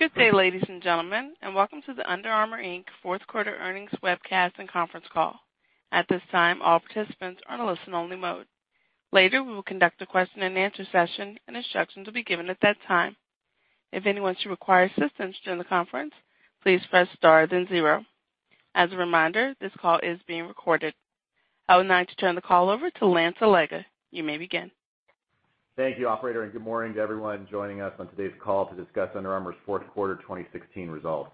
Good day, ladies and gentlemen, and welcome to the Under Armour, Inc. fourth quarter earnings webcast and conference call. At this time, all participants are in listen only mode. Later, we will conduct a question and answer session and instructions will be given at that time. If anyone should require assistance during the conference, please press star then zero. As a reminder, this call is being recorded. I would now like to turn the call over to Lance Allega. You may begin. Thank you, operator, good morning to everyone joining us on today's call to discuss Under Armour's fourth quarter 2016 results.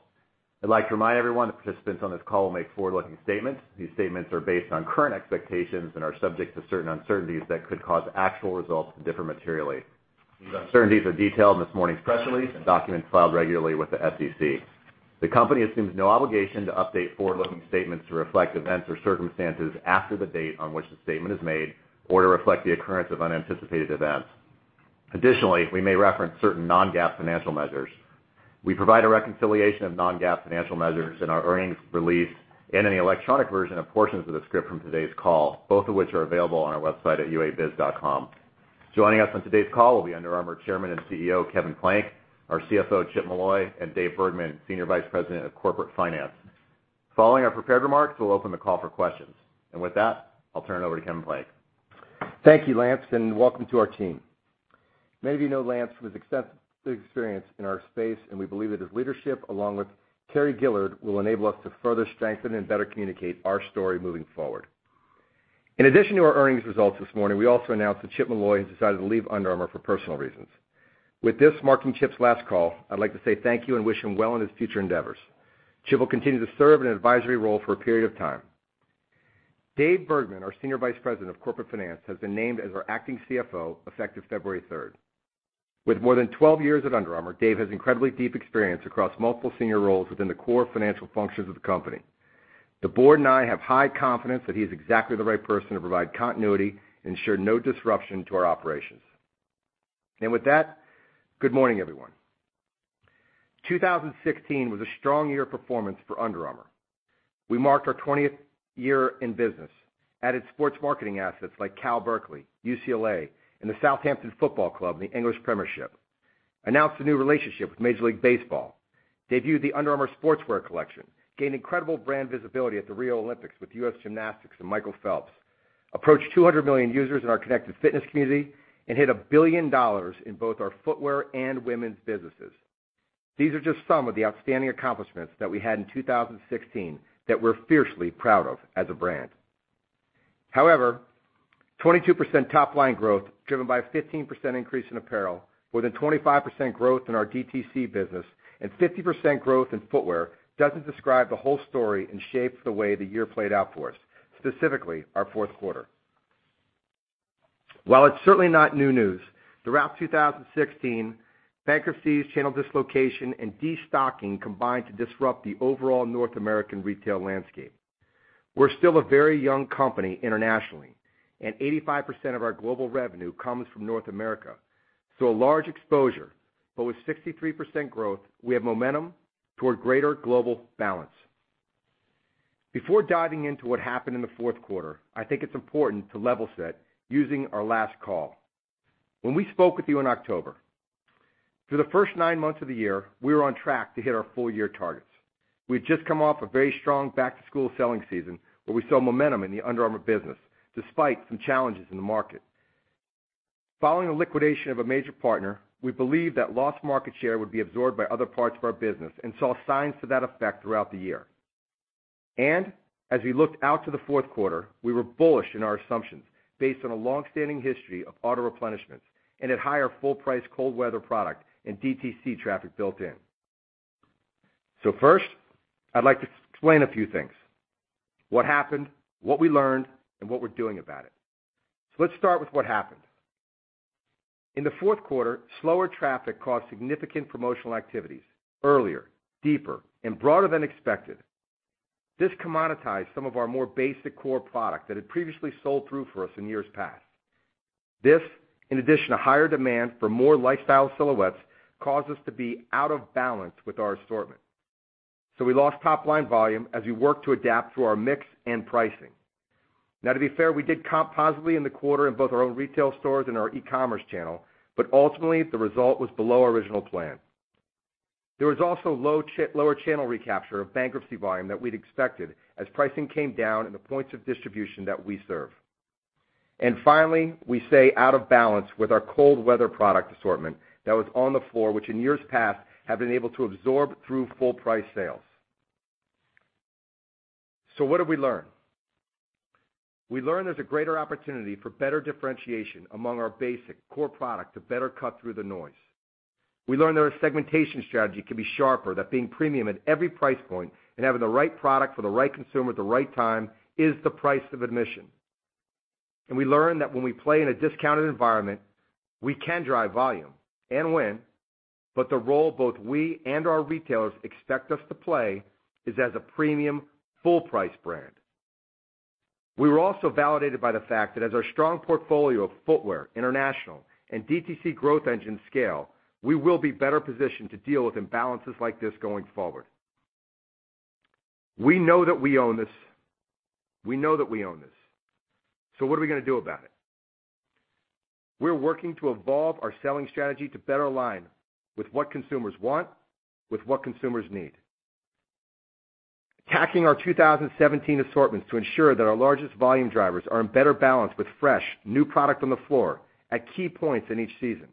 I'd like to remind everyone that participants on this call will make forward-looking statements. These statements are based on current expectations and are subject to certain uncertainties that could cause actual results to differ materially. These uncertainties are detailed in this morning's press release and documents filed regularly with the SEC. The company assumes no obligation to update forward-looking statements to reflect events or circumstances after the date on which the statement is made or to reflect the occurrence of unanticipated events. Additionally, we may reference certain non-GAAP financial measures. We provide a reconciliation of non-GAAP financial measures in our earnings release and in the electronic version of portions of the script from today's call, both of which are available on our website at uabiz.com. Joining us on today's call will be Under Armour Chairman and CEO, Kevin Plank, our CFO, Chip Molloy, and Dave Bergman, Senior Vice President of Corporate Finance. Following our prepared remarks, we'll open the call for questions. With that, I'll turn it over to Kevin Plank. Thank you, Lance, welcome to our team. Many of you know Lance from his extensive experience in our space, we believe that his leadership, along with Terry Gillard, will enable us to further strengthen and better communicate our story moving forward. In addition to our earnings results this morning, we also announced that Chip Molloy has decided to leave Under Armour for personal reasons. With this marking Chip's last call, I'd like to say thank you and wish him well in his future endeavors. Chip will continue to serve in an advisory role for a period of time. Dave Bergman, our Senior Vice President of Corporate Finance, has been named as our acting CFO effective February third. With more than 12 years at Under Armour, Dave has incredibly deep experience across multiple senior roles within the core financial functions of the company. The board and I have high confidence that he's exactly the right person to provide continuity and ensure no disruption to our operations. With that, good morning, everyone. 2016 was a strong year of performance for Under Armour. We marked our 20th year in business, added sports marketing assets like Cal Berkeley, UCLA, and the Southampton Football Club in the English Premiership, announced a new relationship with Major League Baseball, debuted the Under Armour Sportswear collection, gained incredible brand visibility at the Rio Olympics with US Gymnastics and Michael Phelps, approached 200 million users in our connected fitness community and hit $1 billion in both our footwear and women's businesses. These are just some of the outstanding accomplishments that we had in 2016 that we're fiercely proud of as a brand. 22% top-line growth driven by a 15% increase in apparel, more than 25% growth in our DTC business, and 50% growth in footwear doesn't describe the whole story and shape the way the year played out for us, specifically our fourth quarter. While it's certainly not new news, throughout 2016, bankruptcies, channel dislocation, and destocking combined to disrupt the overall North American retail landscape. We're still a very young company internationally, and 85% of our global revenue comes from North America. A large exposure, but with 63% growth, we have momentum toward greater global balance. Before diving into what happened in the fourth quarter, I think it's important to level set using our last call. When we spoke with you in October, through the first nine months of the year, we were on track to hit our full-year targets. We had just come off a very strong back-to-school selling season where we saw momentum in the Under Armour business, despite some challenges in the market. Following the liquidation of a major partner, we believed that lost market share would be absorbed by other parts of our business and saw signs to that effect throughout the year. As we looked out to the fourth quarter, we were bullish in our assumptions based on a long-standing history of auto-replenishments and had higher full price cold weather product and DTC traffic built in. First, I'd like to explain a few things. What happened, what we learned, and what we're doing about it. Let's start with what happened. In the fourth quarter, slower traffic caused significant promotional activities, earlier, deeper, and broader than expected. This commoditized some of our more basic core product that had previously sold through for us in years past. This, in addition to higher demand for more lifestyle silhouettes, caused us to be out of balance with our assortment. We lost top-line volume as we worked to adapt through our mix and pricing. To be fair, we did comp positively in the quarter in both our own retail stores and our e-commerce channel, but ultimately, the result was below our original plan. There was also lower channel recapture of bankruptcy volume than we'd expected as pricing came down in the points of distribution that we serve. Finally, we say out of balance with our cold weather product assortment that was on the floor, which in years past have been able to absorb through full price sales. What did we learn? We learned there's a greater opportunity for better differentiation among our basic core product to better cut through the noise. We learned that our segmentation strategy can be sharper, that being premium at every price point and having the right product for the right consumer at the right time is the price of admission. We learned that when we play in a discounted environment, we can drive volume and win, but the role both we and our retailers expect us to play is as a premium full-price brand. We were also validated by the fact that as our strong portfolio of footwear, international, and DTC growth engines scale, we will be better positioned to deal with imbalances like this going forward. We know that we own this. We know that we own this. What are we going to do about it? We're working to evolve our selling strategy to better align with what consumers want, with what consumers need. Attacking our 2017 assortments to ensure that our largest volume drivers are in better balance with fresh, new product on the floor at key points in each season.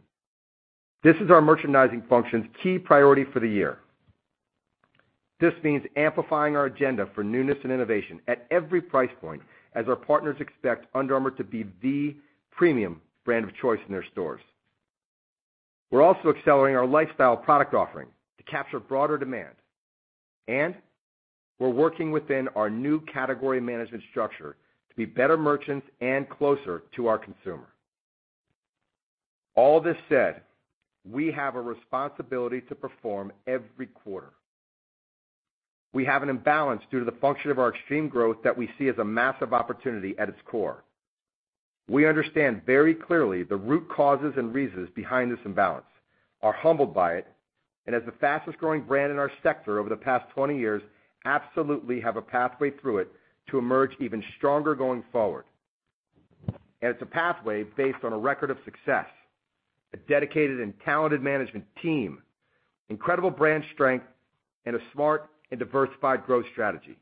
This is our merchandising function's key priority for the year. This means amplifying our agenda for newness and innovation at every price point as our partners expect Under Armour to be the premium brand of choice in their stores. We're also accelerating our lifestyle product offering to capture broader demand. We're working within our new category management structure to be better merchants and closer to our consumer. All this said, we have a responsibility to perform every quarter. We have an imbalance due to the function of our extreme growth that we see as a massive opportunity at its core. We understand very clearly the root causes and reasons behind this imbalance, are humbled by it, as the fastest-growing brand in our sector over the past 20 years, absolutely have a pathway through it to emerge even stronger going forward. It's a pathway based on a record of success, a dedicated and talented management team, incredible brand strength, and a smart and diversified growth strategy.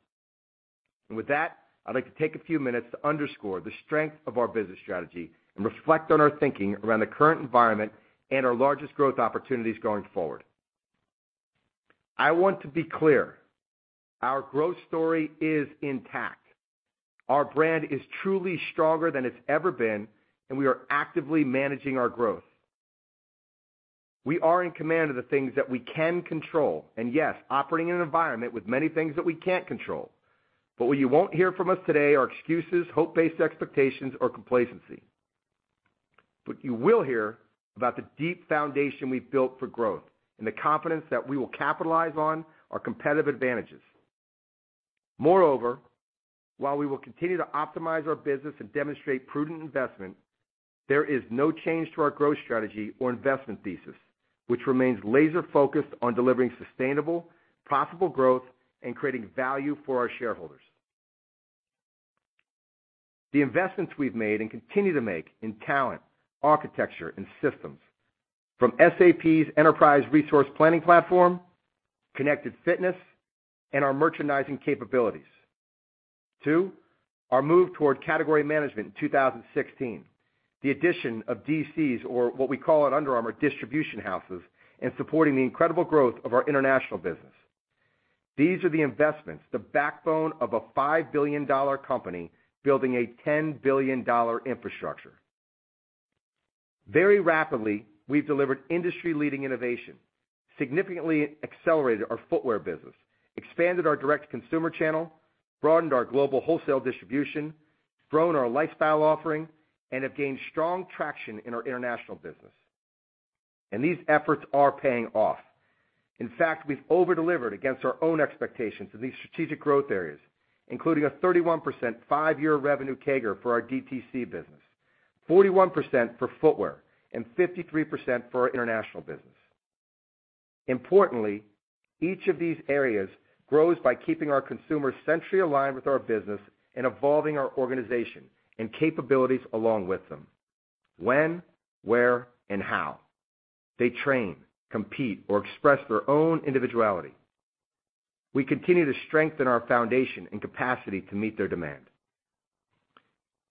With that, I'd like to take a few minutes to underscore the strength of our business strategy and reflect on our thinking around the current environment and our largest growth opportunities going forward. I want to be clear, our growth story is intact. Our brand is truly stronger than it's ever been, and we are actively managing our growth. We are in command of the things that we can control. Yes, operating in an environment with many things that we can't control. What you won't hear from us today are excuses, hope-based expectations, or complacency. You will hear about the deep foundation we've built for growth and the confidence that we will capitalize on our competitive advantages. Moreover, while we will continue to optimize our business and demonstrate prudent investment, there is no change to our growth strategy or investment thesis, which remains laser-focused on delivering sustainable, profitable growth and creating value for our shareholders. The investments we've made and continue to make in talent, architecture, and systems, from SAP's enterprise resource planning platform, connected fitness, and our merchandising capabilities. Two, our move toward category management in 2016, the addition of DCs, or what we call at Under Armour distribution houses, and supporting the incredible growth of our international business. These are the investments, the backbone of a $5 billion company building a $10 billion infrastructure. Very rapidly, we've delivered industry-leading innovation, significantly accelerated our footwear business, expanded our direct-to-consumer channel, broadened our global wholesale distribution, grown our lifestyle offering, and have gained strong traction in our international business. These efforts are paying off. In fact, we've over-delivered against our own expectations in these strategic growth areas, including a 31% five-year revenue CAGR for our DTC business, 41% for footwear, and 53% for our international business. Importantly, each of these areas grows by keeping our consumers centrally aligned with our business and evolving our organization and capabilities along with them. When, where, and how they train, compete, or express their own individuality. We continue to strengthen our foundation and capacity to meet their demand.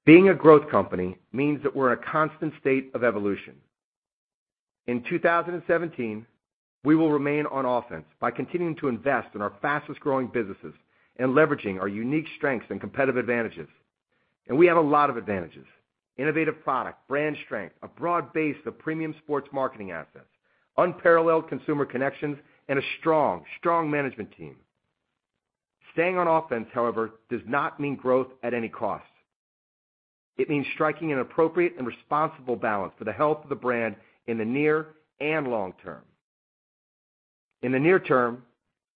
Being a growth company means that we're in a constant state of evolution. In 2017, we will remain on offense by continuing to invest in our fastest-growing businesses and leveraging our unique strengths and competitive advantages. We have a lot of advantages. Innovative product, brand strength, a broad base of premium sports marketing assets, unparalleled consumer connections, and a strong management team. Staying on offense, however, does not mean growth at any cost. It means striking an appropriate and responsible balance for the health of the brand in the near and long term. In the near term,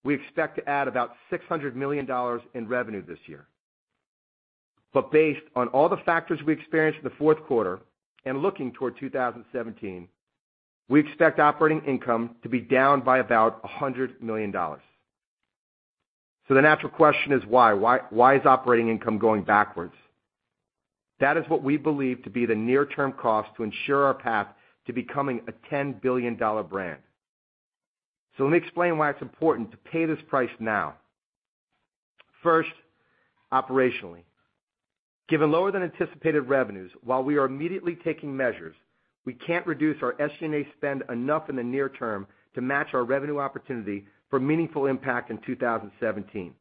we expect to add about $600 million in revenue this year. Based on all the factors we experienced in the fourth quarter and looking toward 2017, we expect operating income to be down by about $100 million. The natural question is why? Why is operating income going backwards? That is what we believe to be the near-term cost to ensure our path to becoming a $10 billion brand. Let me explain why it's important to pay this price now. First, operationally. Given lower than anticipated revenues, while we are immediately taking measures, we can't reduce our SG&A spend enough in the near term to match our revenue opportunity for meaningful impact in 2017.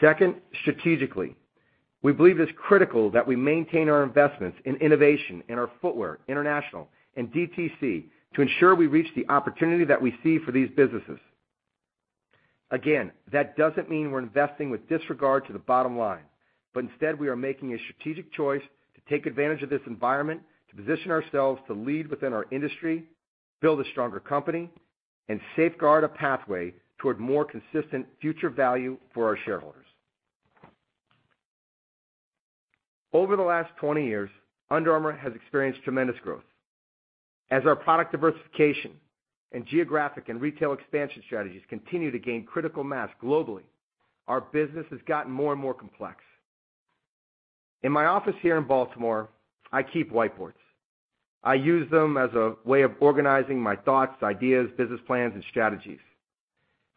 Second, strategically. We believe it's critical that we maintain our investments in innovation, in our footwear, international, and DTC to ensure we reach the opportunity that we see for these businesses. Again, that doesn't mean we're investing with disregard to the bottom line. Instead, we are making a strategic choice to take advantage of this environment to position ourselves to lead within our industry, build a stronger company, and safeguard a pathway toward more consistent future value for our shareholders. Over the last 20 years, Under Armour has experienced tremendous growth. As our product diversification and geographic and retail expansion strategies continue to gain critical mass globally, our business has gotten more and more complex. In my office here in Baltimore, I keep whiteboards. I use them as a way of organizing my thoughts, ideas, business plans, and strategies.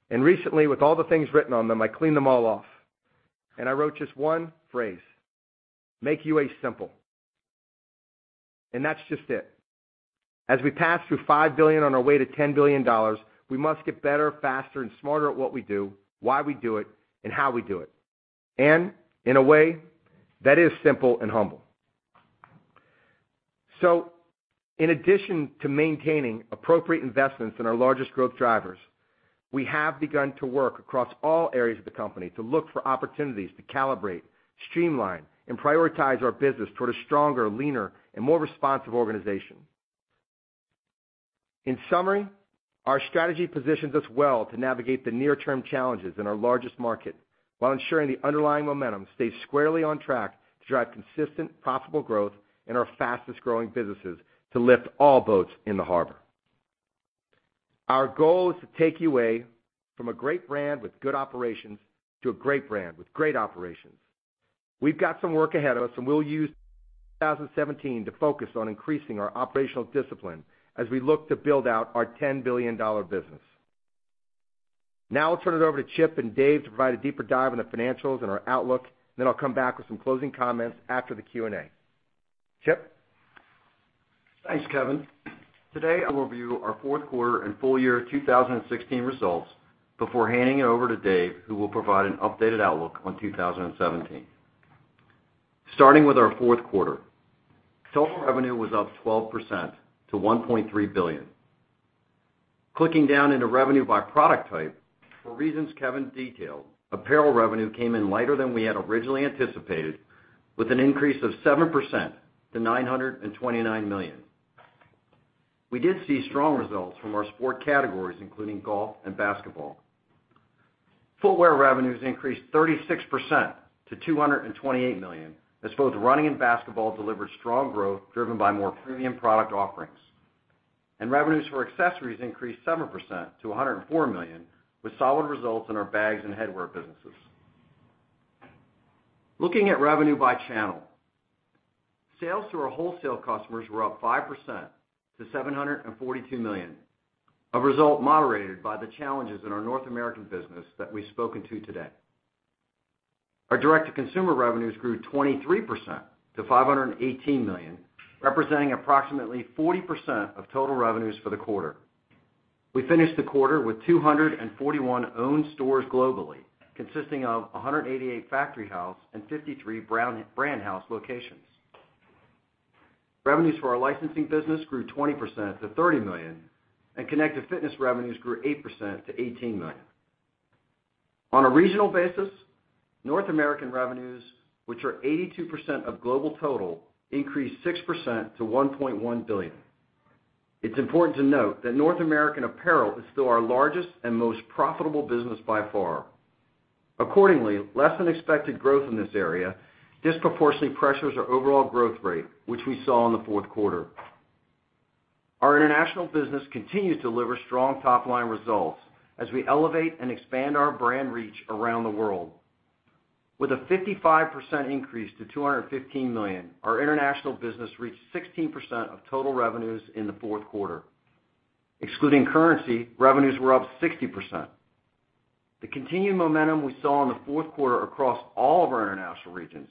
Recently, with all the things written on them, I cleaned them all off, and I wrote just one phrase, "Make UA simple." That's just it. As we pass through $5 billion on our way to $10 billion, we must get better, faster, and smarter at what we do, why we do it, and how we do it, and in a way that is simple and humble. In addition to maintaining appropriate investments in our largest growth drivers, we have begun to work across all areas of the company to look for opportunities to calibrate, streamline, and prioritize our business toward a stronger, leaner, and more responsive organization. In summary, our strategy positions us well to navigate the near-term challenges in our largest market while ensuring the underlying momentum stays squarely on track to drive consistent, profitable growth in our fastest-growing businesses to lift all boats in the harbor. Our goal is to take UA from a great brand with good operations to a great brand with great operations. We've got some work ahead of us, we'll use 2017 to focus on increasing our operational discipline as we look to build out our $10 billion business. I'll turn it over to Chip and Dave to provide a deeper dive on the financials and our outlook. I'll come back with some closing comments after the Q&A. Chip? Thanks, Kevin. Today, I will review our fourth quarter and full year 2016 results before handing it over to Dave, who will provide an updated outlook on 2017. Starting with our fourth quarter, total revenue was up 12% to $1.3 billion. Clicking down into revenue by product type, for reasons Kevin detailed, apparel revenue came in lighter than we had originally anticipated, with an increase of 7% to $929 million. We did see strong results from our sport categories, including golf and basketball. Footwear revenues increased 36% to $228 million, as both running and basketball delivered strong growth driven by more premium product offerings. Revenues for accessories increased 7% to $104 million, with solid results in our bags and headwear businesses. Looking at revenue by channel, sales to our wholesale customers were up 5% to $742 million, a result moderated by the challenges in our North American business that we've spoken to today. Our direct-to-consumer revenues grew 23% to $518 million, representing approximately 40% of total revenues for the quarter. We finished the quarter with 241 owned stores globally, consisting of 188 Factory House and 53 Brand House locations. Revenues for our licensing business grew 20% to $30 million, and connected fitness revenues grew 8% to $18 million. On a regional basis, North American revenues, which are 82% of global total, increased 6% to $1.1 billion. It's important to note that North American apparel is still our largest and most profitable business by far. Accordingly, less than expected growth in this area disproportionately pressures our overall growth rate, which we saw in the fourth quarter. Our international business continued to deliver strong top-line results as we elevate and expand our brand reach around the world. With a 55% increase to $215 million, our international business reached 16% of total revenues in the fourth quarter. Excluding currency, revenues were up 60%. The continued momentum we saw in the fourth quarter across all of our international regions,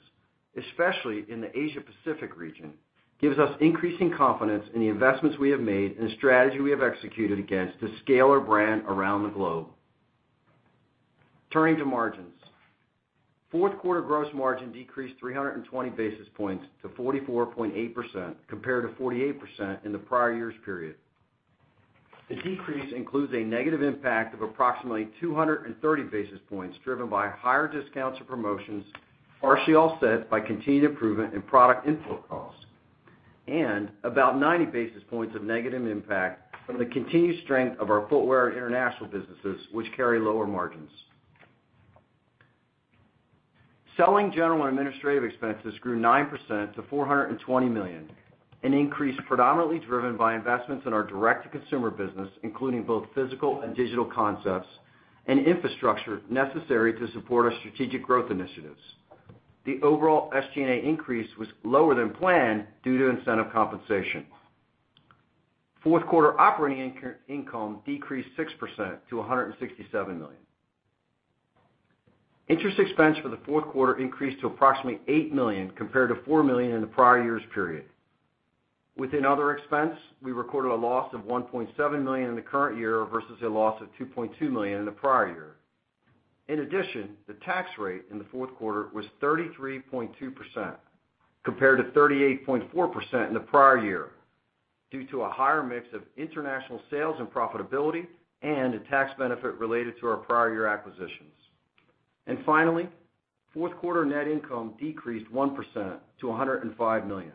especially in the Asia-Pacific region, gives us increasing confidence in the investments we have made and the strategy we have executed against to scale our brand around the globe. Turning to margins. Fourth-quarter gross margin decreased 320 basis points to 44.8%, compared to 48% in the prior year's period. The decrease includes a negative impact of approximately 230 basis points driven by higher discounts and promotions, partially offset by continued improvement in product input costs, and about 90 basis points of negative impact from the continued strength of our footwear and international businesses, which carry lower margins. Selling, general, and administrative expenses grew 9% to $420 million, an increase predominantly driven by investments in our direct-to-consumer business, including both physical and digital concepts and infrastructure necessary to support our strategic growth initiatives. The overall SG&A increase was lower than planned due to incentive compensation. Fourth-quarter operating income decreased 6% to $167 million. Interest expense for the fourth quarter increased to approximately $8 million compared to $4 million in the prior year's period. Within other expense, we recorded a loss of $1.7 million in the current year versus a loss of $2.2 million in the prior year. The tax rate in the fourth quarter was 33.2% compared to 38.4% in the prior year due to a higher mix of international sales and profitability and a tax benefit related to our prior year acquisitions. Finally, fourth-quarter net income decreased 1% to $105 million.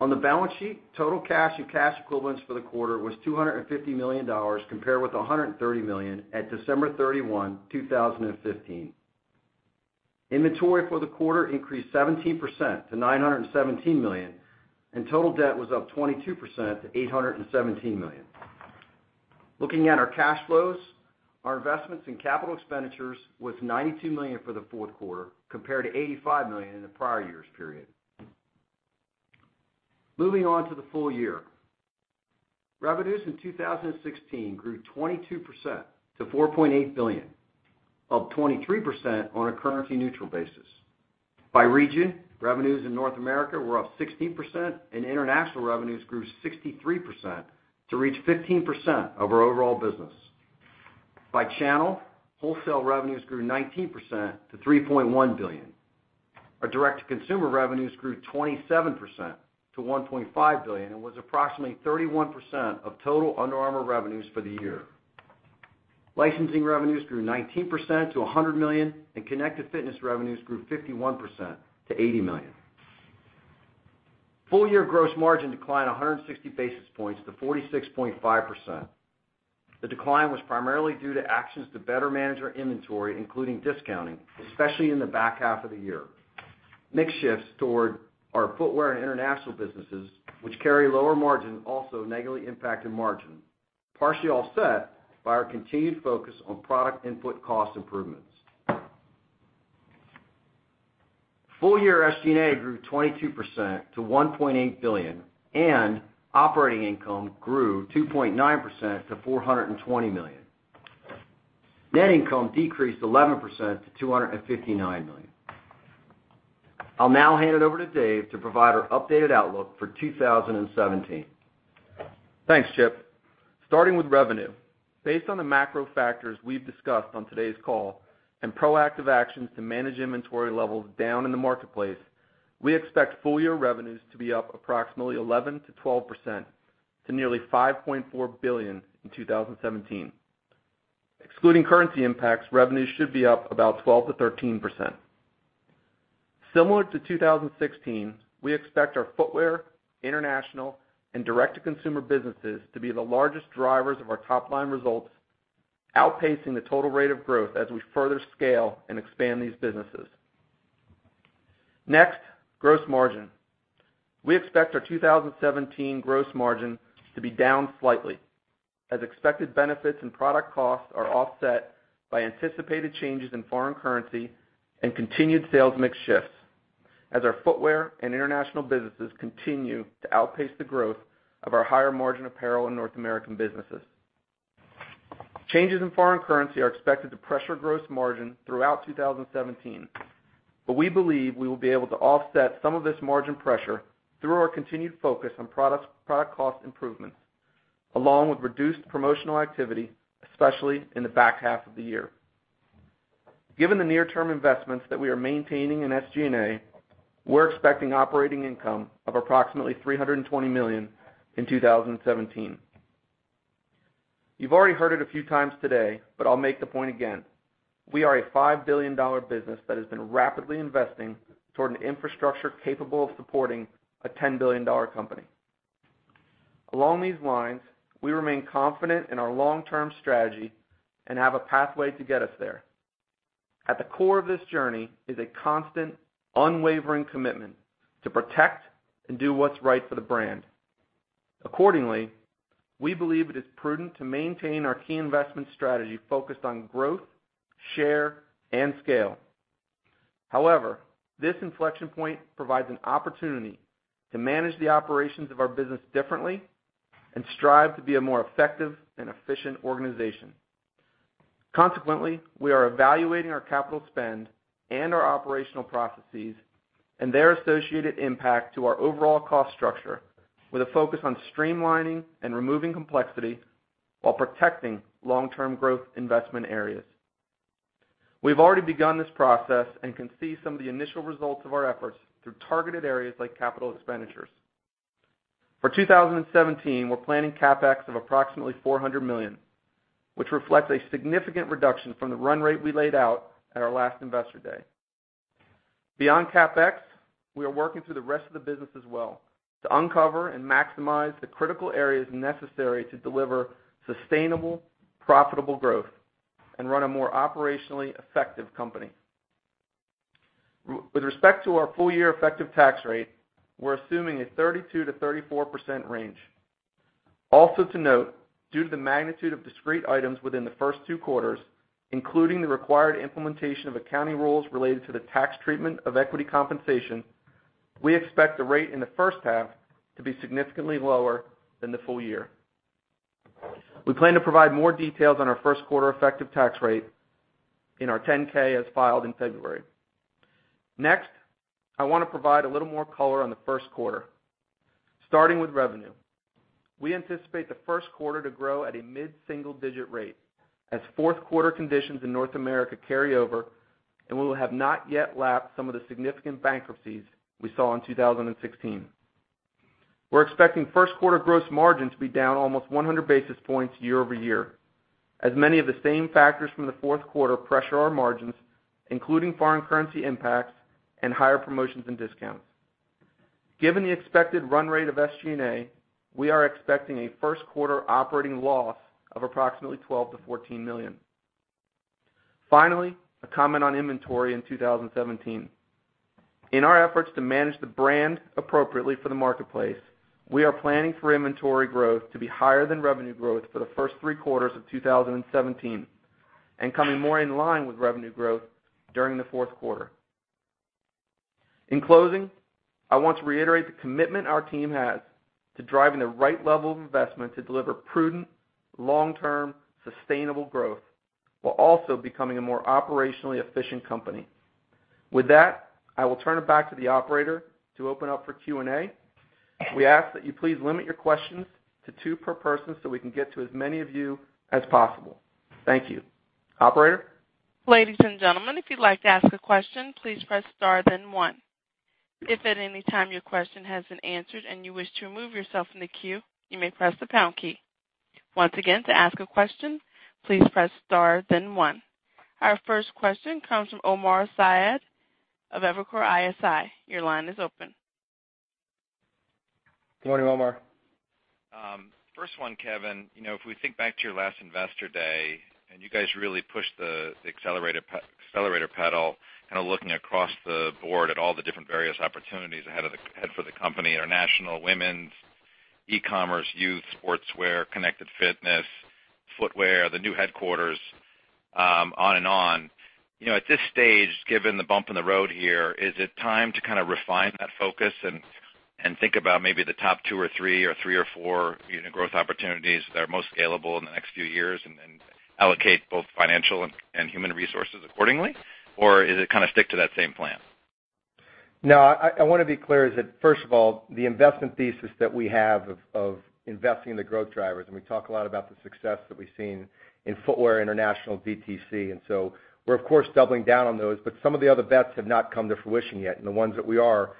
On the balance sheet, total cash and cash equivalents for the quarter was $250 million, compared with $130 million at December 31, 2015. Inventory for the quarter increased 17% to $917 million, and total debt was up 22% to $817 million. Looking at our cash flows, our investments in capital expenditures was $92 million for the fourth quarter, compared to $85 million in the prior year's period. Moving on to the full year. Revenues in 2016 grew 22% to $4.8 billion, up 23% on a currency-neutral basis. By region, revenues in North America were up 16%, and international revenues grew 63% to reach 15% of our overall business. By channel, wholesale revenues grew 19% to $3.1 billion. Our direct-to-consumer revenues grew 27% to $1.5 billion and was approximately 31% of total Under Armour revenues for the year. Licensing revenues grew 19% to $100 million, and connected fitness revenues grew 51% to $80 million. Full-year gross margin declined 160 basis points to 46.5%. The decline was primarily due to actions to better manage our inventory, including discounting, especially in the back half of the year. Mix shifts toward our footwear and international businesses, which carry lower margin, also negatively impacted margin, partially offset by our continued focus on product input cost improvements. Full-year SG&A grew 22% to $1.8 billion, and operating income grew 2.9% to $420 million. Net income decreased 11% to $259 million. I'll now hand it over to Dave to provide our updated outlook for 2017. Thanks, Chip. Starting with revenue, based on the macro factors we've discussed on today's call and proactive actions to manage inventory levels down in the marketplace, we expect full-year revenues to be up approximately 11%-12% to nearly $5.4 billion in 2017. Excluding currency impacts, revenues should be up about 12%-13%. Similar to 2016, we expect our footwear, international, and direct-to-consumer businesses to be the largest drivers of our top-line results, outpacing the total rate of growth as we further scale and expand these businesses. Next, gross margin. We expect our 2017 gross margin to be down slightly as expected benefits in product costs are offset by anticipated changes in foreign currency and continued sales mix shifts as our footwear and international businesses continue to outpace the growth of our higher-margin apparel and North American businesses. Changes in foreign currency are expected to pressure gross margin throughout 2017. We believe we will be able to offset some of this margin pressure through our continued focus on product cost improvements, along with reduced promotional activity, especially in the back half of the year. Given the near-term investments that we are maintaining in SG&A, we're expecting operating income of approximately $320 million in 2017. You've already heard it a few times today, but I'll make the point again. We are a $5 billion business that has been rapidly investing toward an infrastructure capable of supporting a $10 billion company. Along these lines, we remain confident in our long-term strategy and have a pathway to get us there. At the core of this journey is a constant, unwavering commitment to protect and do what's right for the brand. Accordingly, we believe it is prudent to maintain our key investment strategy focused on growth, share, and scale. This inflection point provides an opportunity to manage the operations of our business differently and strive to be a more effective and efficient organization. We are evaluating our capital spend and our operational processes and their associated impact to our overall cost structure with a focus on streamlining and removing complexity while protecting long-term growth investment areas. We've already begun this process and can see some of the initial results of our efforts through targeted areas like capital expenditures. For 2017, we're planning CapEx of approximately $400 million, which reflects a significant reduction from the run rate we laid out at our last Investor Day. Beyond CapEx, we are working through the rest of the business as well to uncover and maximize the critical areas necessary to deliver sustainable, profitable growth and run a more operationally effective company. With respect to our full-year effective tax rate, we're assuming a 32%-34% range. Also to note, due to the magnitude of discrete items within the first two quarters, including the required implementation of accounting rules related to the tax treatment of equity compensation, we expect the rate in the first half to be significantly lower than the full year. We plan to provide more details on our first quarter effective tax rate in our 10-K as filed in February. Next, I want to provide a little more color on the first quarter. Starting with revenue, we anticipate the first quarter to grow at a mid-single-digit rate as fourth quarter conditions in North America carry over, and we will have not yet lapped some of the significant bankruptcies we saw in 2016. We're expecting first quarter gross margin to be down almost 100 basis points year-over-year Many of the same factors from the fourth quarter pressure our margins, including foreign currency impacts and higher promotions and discounts. Given the expected run rate of SG&A, we are expecting a first quarter operating loss of approximately $12 million-$14 million. Finally, a comment on inventory in 2017. In our efforts to manage the brand appropriately for the marketplace, we are planning for inventory growth to be higher than revenue growth for the first three quarters of 2017, and coming more in line with revenue growth during the fourth quarter. In closing, I want to reiterate the commitment our team has to driving the right level of investment to deliver prudent, long-term, sustainable growth, while also becoming a more operationally efficient company. With that, I will turn it back to the operator to open up for Q&A. We ask that you please limit your questions to two per person so we can get to as many of you as possible. Thank you. Operator? Ladies and gentlemen, if you'd like to ask a question, please press star then one. If at any time your question has been answered and you wish to remove yourself from the queue, you may press the pound key. Once again, to ask a question, please press star then one. Our first question comes from Omar Saad of Evercore ISI. Your line is open. Good morning, Omar. First one, Kevin. If we think back to your last Investor Day, you guys really pushed the accelerator pedal, looking across the board at all the different various opportunities ahead for the company, international, women's, e-commerce, youth, sportswear, connected fitness, footwear, the new headquarters, on and on. At this stage, given the bump in the road here, is it time to refine that focus and think about maybe the top two or three or three or four unit growth opportunities that are most scalable in the next few years and then allocate both financial and human resources accordingly? Or is it stick to that same plan? No, I want to be clear, is that first of all, the investment thesis that we have of investing in the growth drivers, we talk a lot about the success that we've seen in footwear, international, DTC. We're of course, doubling down on those, but some of the other bets have not come to fruition yet. The ones that we are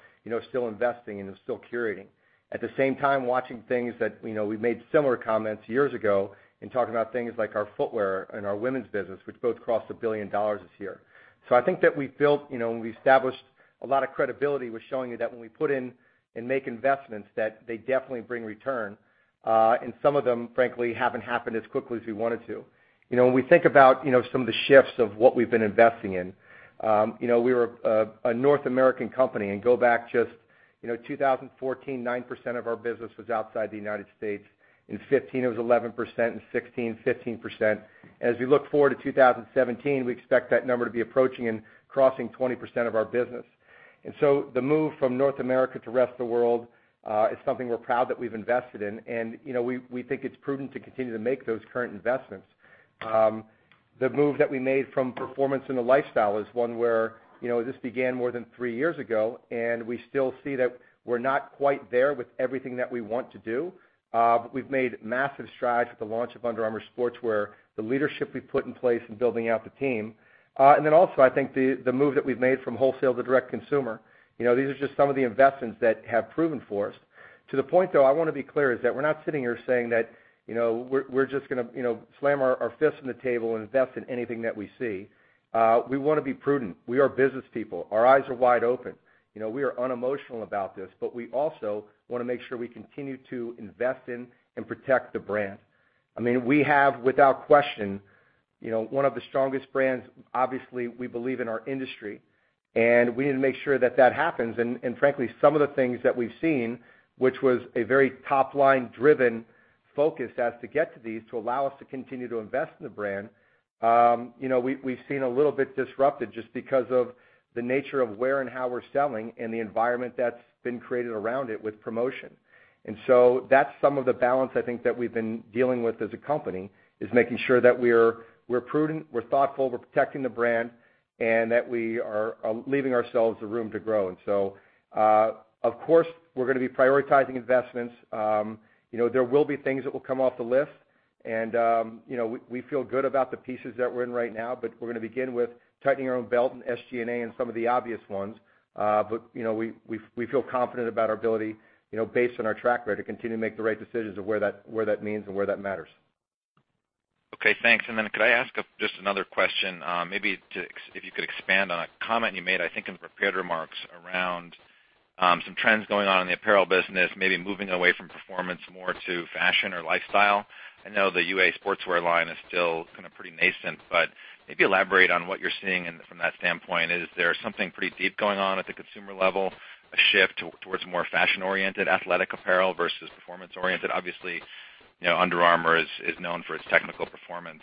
still investing in and still curating. At the same time, watching things that we've made similar comments years ago in talking about things like our footwear and our women's business, which both crossed $1 billion this year. I think that we've built, and we've established a lot of credibility with showing you that when we put in and make investments, that they definitely bring return. Some of them, frankly, haven't happened as quickly as we want it to. When we think about some of the shifts of what we've been investing in. We were a North American company. Go back just 2014, 9% of our business was outside the U.S. In 2015, it was 11%, in 2016, 15%. As we look forward to 2017, we expect that number to be approaching and crossing 20% of our business. The move from North America to rest of the world is something we're proud that we've invested in. We think it's prudent to continue to make those current investments. The move that we made from performance into lifestyle is one where this began more than three years ago, and we still see that we're not quite there with everything that we want to do. We've made massive strides with the launch of Under Armour Sportswear, the leadership we've put in place in building out the team. Also, I think the move that we've made from wholesale to direct-to-consumer. These are just some of the investments that have proven for us. To the point, though, I want to be clear, is that we're not sitting here saying that we're just going to slam our fist on the table and invest in anything that we see. We want to be prudent. We are business people. Our eyes are wide open. We are unemotional about this, but we also want to make sure we continue to invest in and protect the brand. We have, without question, one of the strongest brands, obviously, we believe in our industry, and we need to make sure that that happens. Frankly, some of the things that we've seen, which was a very top-line-driven focus as to get to these to allow us to continue to invest in the brand. We've seen a little bit disrupted just because of the nature of where and how we're selling and the environment that's been created around it with promotion. That's some of the balance I think that we've been dealing with as a company, is making sure that we're prudent, we're thoughtful, we're protecting the brand, and that we are leaving ourselves the room to grow. Of course, we're going to be prioritizing investments. There will be things that will come off the list. We feel good about the pieces that we're in right now, but we're going to begin with tightening our own belt in SG&A and some of the obvious ones. We feel confident about our ability, based on our track record, to continue to make the right decisions of where that means and where that matters. Okay, thanks. Could I ask just another question? Maybe if you could expand on a comment you made, I think, in the prepared remarks around some trends going on in the apparel business, maybe moving away from performance more to fashion or lifestyle. I know the UA Sportswear line is still pretty nascent, but maybe elaborate on what you're seeing from that standpoint. Is there something pretty deep going on at the consumer level, a shift towards more fashion-oriented athletic apparel versus performance-oriented? Obviously, Under Armour is known for its technical performance.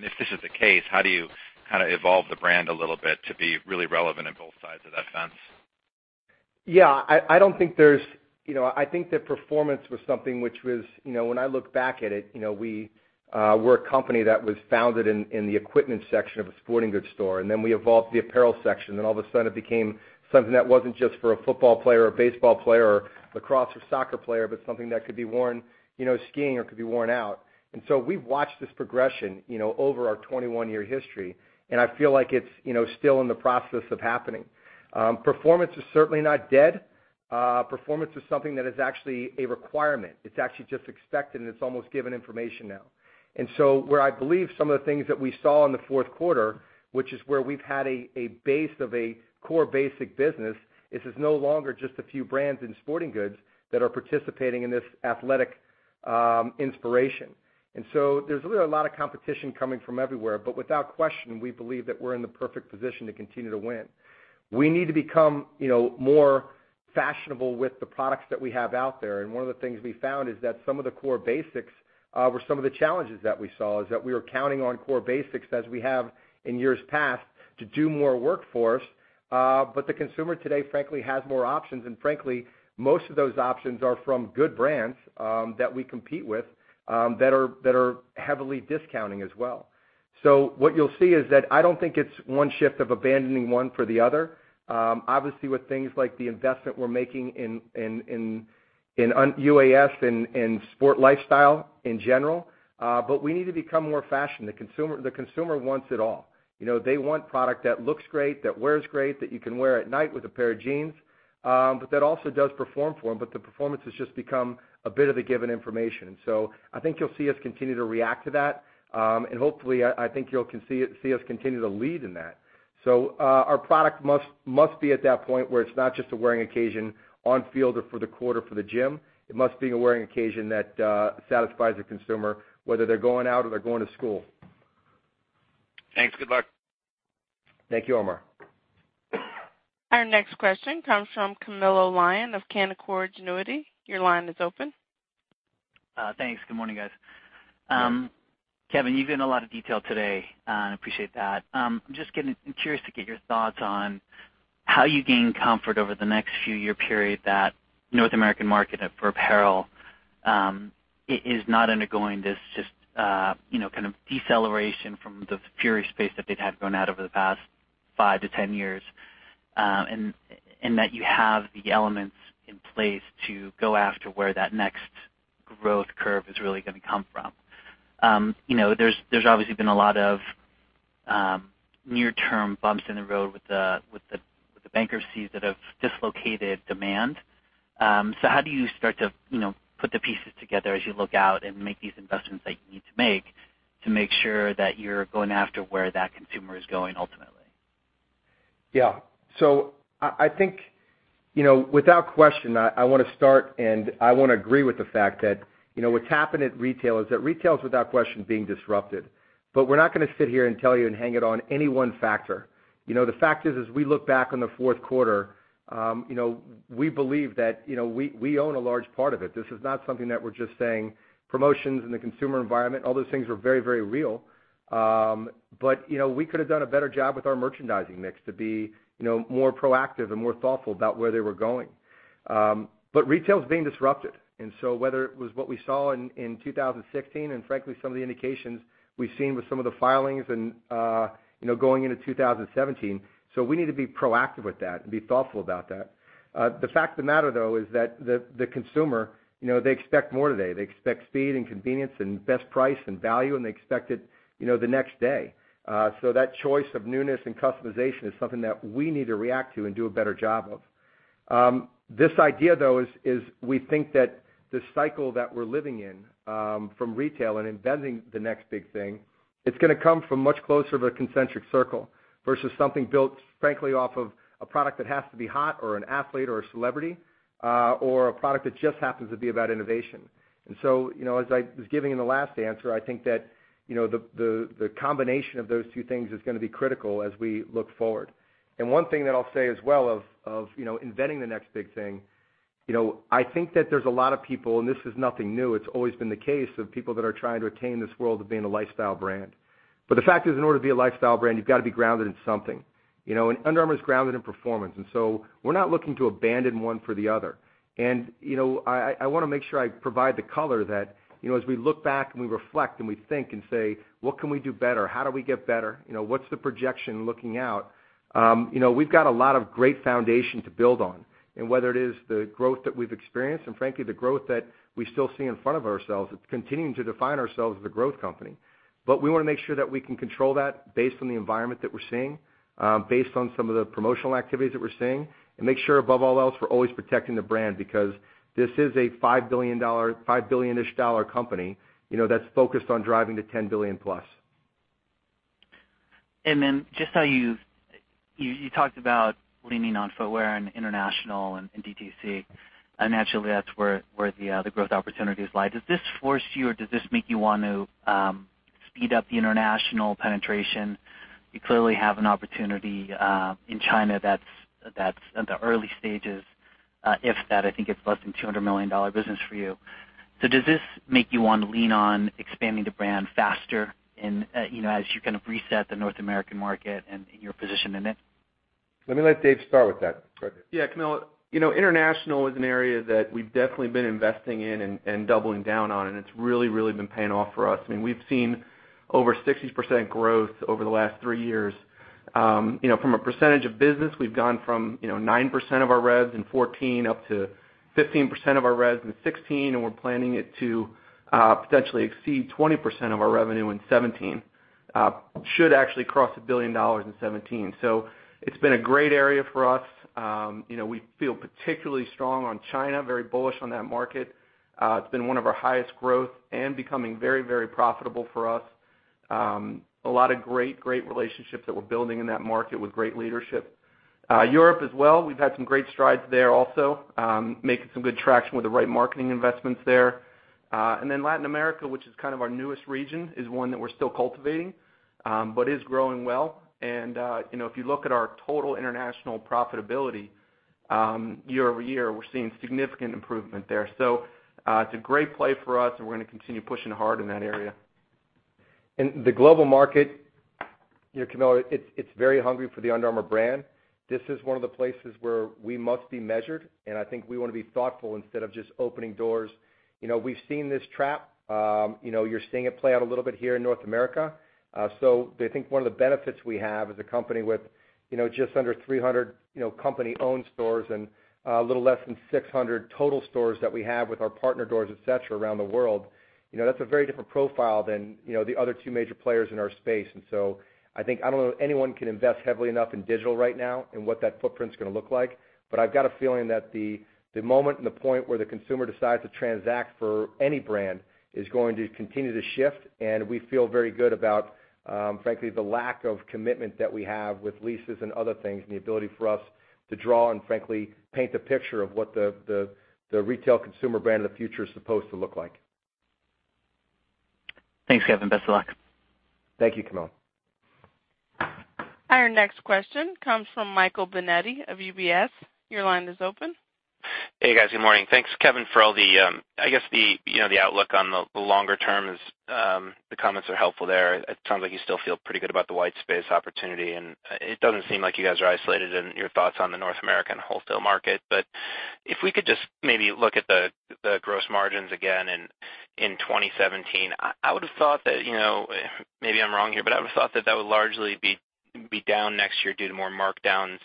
If this is the case, how do you evolve the brand a little bit to be really relevant in both sides of that fence? Yeah, I think that performance was something which was, when I look back at it, we're a company that was founded in the equipment section of a sporting goods store, and then we evolved to the apparel section, and all of a sudden it became something that wasn't just for a football player or baseball player or lacrosse or soccer player, but something that could be worn skiing or could be worn out. We've watched this progression over our 21-year history, and I feel like it's still in the process of happening. Performance is certainly not dead. Performance is something that is actually a requirement. It's actually just expected, and it's almost given information now. Where I believe some of the things that we saw in the fourth quarter, which is where we've had a base of a core basic business, is it's no longer just a few brands in sporting goods that are participating in this athletic inspiration. There's really a lot of competition coming from everywhere. Without question, we believe that we're in the perfect position to continue to win. We need to become more fashionable with the products that we have out there. One of the things we found is that some of the core basics were some of the challenges that we saw, is that we were counting on core basics as we have in years past to do more work for us. The consumer today, frankly, has more options. Frankly, most of those options are from good brands that we compete with, that are heavily discounting as well. What you'll see is that I don't think it's one shift of abandoning one for the other. Obviously, with things like the investment we're making in UAS and sport lifestyle in general, but we need to become more fashion. The consumer wants it all. They want product that looks great, that wears great, that you can wear at night with a pair of jeans, but that also does perform for them. The performance has just become a bit of a given information. I think you'll see us continue to react to that. Hopefully, I think you'll see us continue to lead in that. Our product must be at that point where it's not just a wearing occasion on field or for the court or for the gym. It must be a wearing occasion that satisfies the consumer, whether they're going out or they're going to school. Thanks. Good luck. Thank you, Omar. Our next question comes from Camilo Lyon of Canaccord Genuity. Your line is open. Thanks. Good morning, guys. Yeah. Kevin, you've given a lot of detail today, and I appreciate that. I'm just curious to get your thoughts on how you gain comfort over the next few year period that North American market for apparel is not undergoing this just kind of deceleration from the furious pace that they've had grown at over the past five to 10 years, and that you have the elements in place to go after where that next growth curve is really going to come from. There's obviously been a lot of near-term bumps in the road with the bankruptcies that have dislocated demand. How do you start to put the pieces together as you look out and make these investments that you need to make, to make sure that you're going after where that consumer is going ultimately? Yeah. I think without question, I want to start, and I want to agree with the fact that what's happened at retail is that retail is without question being disrupted. We're not going to sit here and tell you and hang it on any one factor. The fact is, as we look back on the fourth quarter, we believe that we own a large part of it. This is not something that we're just saying promotions in the consumer environment. All those things were very, very real. We could have done a better job with our merchandising mix to be more proactive and more thoughtful about where they were going. Retail is being disrupted, and whether it was what we saw in 2016 and frankly, some of the indications we've seen with some of the filings and going into 2017, we need to be proactive with that and be thoughtful about that. The fact of the matter, though, is that the consumer they expect more today. They expect speed and convenience and best price and value, and they expect it the next day. That choice of newness and customization is something that we need to react to and do a better job of. This idea, though, is we think that the cycle that we're living in from retail and inventing the next big thing, it's going to come from much closer of a concentric circle versus something built, frankly, off of a product that has to be hot or an athlete or a celebrity, or a product that just happens to be about innovation. As I was giving in the last answer, I think that the combination of those two things is going to be critical as we look forward. One thing that I'll say as well of inventing the next big thing, I think that there's a lot of people, and this is nothing new, it's always been the case of people that are trying to attain this world of being a lifestyle brand. The fact is, in order to be a lifestyle brand, you've got to be grounded in something. Under Armour is grounded in performance, and so we're not looking to abandon one for the other. I want to make sure I provide the color that as we look back and we reflect and we think and say, "What can we do better? How do we get better? What's the projection looking out?" We've got a lot of great foundation to build on. Whether it is the growth that we've experienced and frankly, the growth that we still see in front of ourselves, it's continuing to define ourselves as a growth company. We want to make sure that we can control that based on the environment that we're seeing, based on some of the promotional activities that we're seeing, and make sure above all else, we're always protecting the brand because this is a $5 billion-ish company that's focused on driving to $10 billion+. Then just how you talked about leaning on footwear and international and DTC, and naturally, that's where the other growth opportunities lie. Does this force you or does this make you want to speed up the international penetration? You clearly have an opportunity in China that's at the early stages, if that, I think it's less than $200 million business for you. Does this make you want to lean on expanding the brand faster and as you kind of reset the North American market and your position in it? Let me let Dave start with that. Go ahead, Dave. Camilo, international is an area that we've definitely been investing in and doubling down on, it's really been paying off for us. I mean, we've seen over 60% growth over the last three years. From a percentage of business, we've gone from 9% of our revs in 2014 up to 15% of our revs in 2016, we're planning it to potentially exceed 20% of our revenue in 2017. Should actually cross $1 billion in 2017. It's been a great area for us. We feel particularly strong on China, very bullish on that market. It's been one of our highest growth and becoming very profitable for us. A lot of great relationships that we're building in that market with great leadership. Europe as well, we've had some great strides there also, making some good traction with the right marketing investments there. Latin America, which is kind of our newest region, is one that we're still cultivating, but is growing well. If you look at our total international profitability year-over-year, we're seeing significant improvement there. It's a great play for us, we're going to continue pushing hard in that area. The global market, Camilo, it's very hungry for the Under Armour brand. This is one of the places where we must be measured, and I think we want to be thoughtful instead of just opening doors. We've seen this trap. You're seeing it play out a little bit here in North America. I think one of the benefits we have as a company with just under 300 company-owned stores and a little less than 600 total stores that we have with our partner doors, et cetera, around the world, that's a very different profile than the other two major players in our space. I don't know if anyone can invest heavily enough in digital right now and what that footprint's going to look like, but I've got a feeling that the moment and the point where the consumer decides to transact for any brand is going to continue to shift. We feel very good about, frankly, the lack of commitment that we have with leases and other things, and the ability for us to draw and frankly, paint the picture of what the retail consumer brand of the future is supposed to look like. Thanks, Kevin. Best of luck. Thank you, Kamil. Our next question comes from Michael Binetti of UBS. Your line is open. Hey, guys. Good morning. Thanks, Kevin, for all the outlook on the longer term. The comments are helpful there. It sounds like you still feel pretty good about the white space opportunity, and it doesn't seem like you guys are isolated in your thoughts on the North American wholesale market. If we could just maybe look at the gross margins again in 2017. I would've thought that, maybe I'm wrong here, but I would've thought that would largely be down next year due to more markdowns.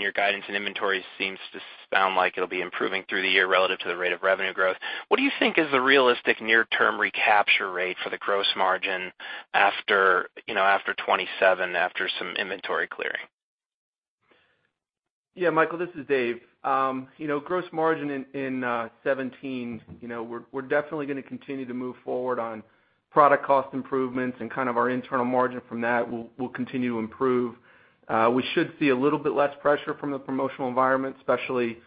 Your guidance and inventory seems to sound like it'll be improving through the year relative to the rate of revenue growth. What do you think is the realistic near-term recapture rate for the gross margin after 2017, after some inventory clearing? Yeah, Michael, this is Dave. Gross margin in 2017, we're definitely going to continue to move forward on product cost improvements and kind of our internal margin from that will continue to improve. We should see a little bit less pressure from the promotional environment, especially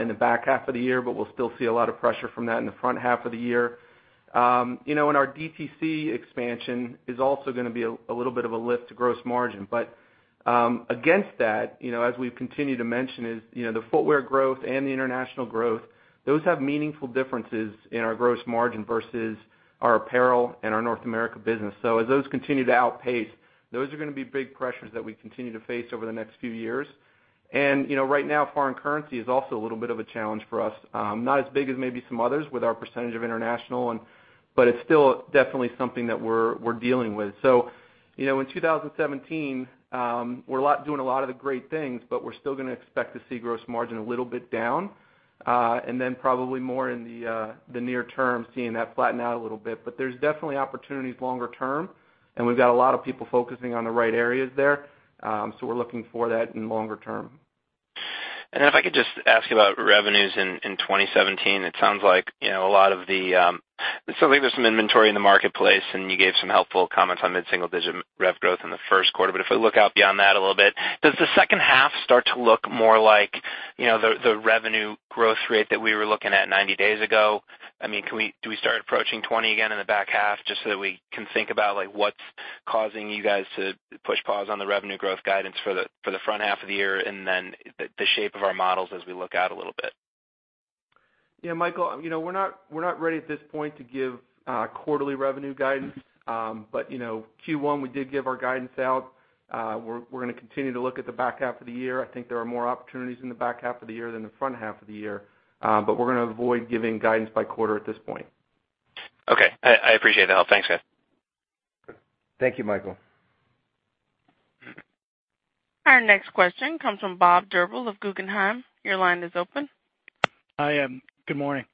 in the back half of the year, but we'll still see a lot of pressure from that in the front half of the year. Our DTC expansion is also going to be a little bit of a lift to gross margin. Against that, as we've continued to mention is, the footwear growth and the international growth, those have meaningful differences in our gross margin versus our apparel and our North America business. As those continue to outpace, those are going to be big pressures that we continue to face over the next few years. Right now, foreign currency is also a little bit of a challenge for us. Not as big as maybe some others with our percentage of international, but it's still definitely something that we're dealing with. In 2017, we're doing a lot of the great things, but we're still going to expect to see gross margin a little bit down, and then probably more in the near term, seeing that flatten out a little bit. There's definitely opportunities longer term, and we've got a lot of people focusing on the right areas there. We're looking for that in longer term. If I could just ask you about revenues in 2017. It sounds like there's some inventory in the marketplace, and you gave some helpful comments on mid-single digit rev growth in the first quarter. If I look out beyond that a little bit, does the second half start to look more like the revenue growth rate that we were looking at 90 days ago? Do we start approaching 20 again in the back half just so that we can think about what's causing you guys to push pause on the revenue growth guidance for the front half of the year and then the shape of our models as we look out a little bit? Yeah, Michael, we're not ready at this point to give quarterly revenue guidance. Q1, we did give our guidance out. We're going to continue to look at the back half of the year. I think there are more opportunities in the back half of the year than the front half of the year. We're going to avoid giving guidance by quarter at this point. Okay. I appreciate the help. Thanks, guys. Thank you, Michael. Our next question comes from Bob Drbul of Guggenheim. Your line is open. Hi, good morning. Good morning.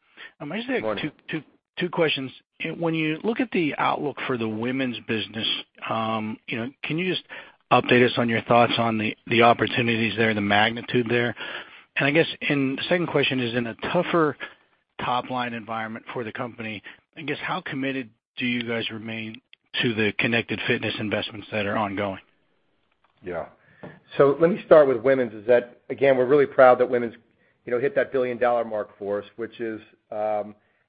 I just have two questions. When you look at the outlook for the women's business, can you just update us on your thoughts on the opportunities there and the magnitude there? I guess, second question is, in a tougher top-line environment for the company, I guess how committed do you guys remain to the connected fitness investments that are ongoing? Yeah. Let me start with women's, is that, again, we're really proud that women's hit that billion-dollar mark for us, which is, I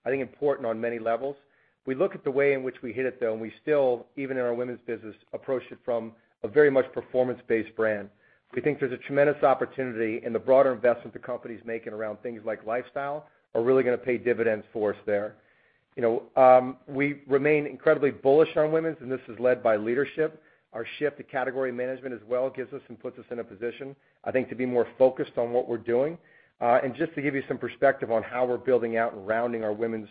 think, important on many levels. We look at the way in which we hit it, though, and we still, even in our women's business, approach it from a very much performance-based brand. We think there's a tremendous opportunity in the broader investments the company's making around things like lifestyle are really going to pay dividends for us there. We remain incredibly bullish on women's, and this is led by leadership. Our shift to category management as well gives us and puts us in a position, I think, to be more focused on what we're doing. Just to give you some perspective on how we're building out and rounding our women's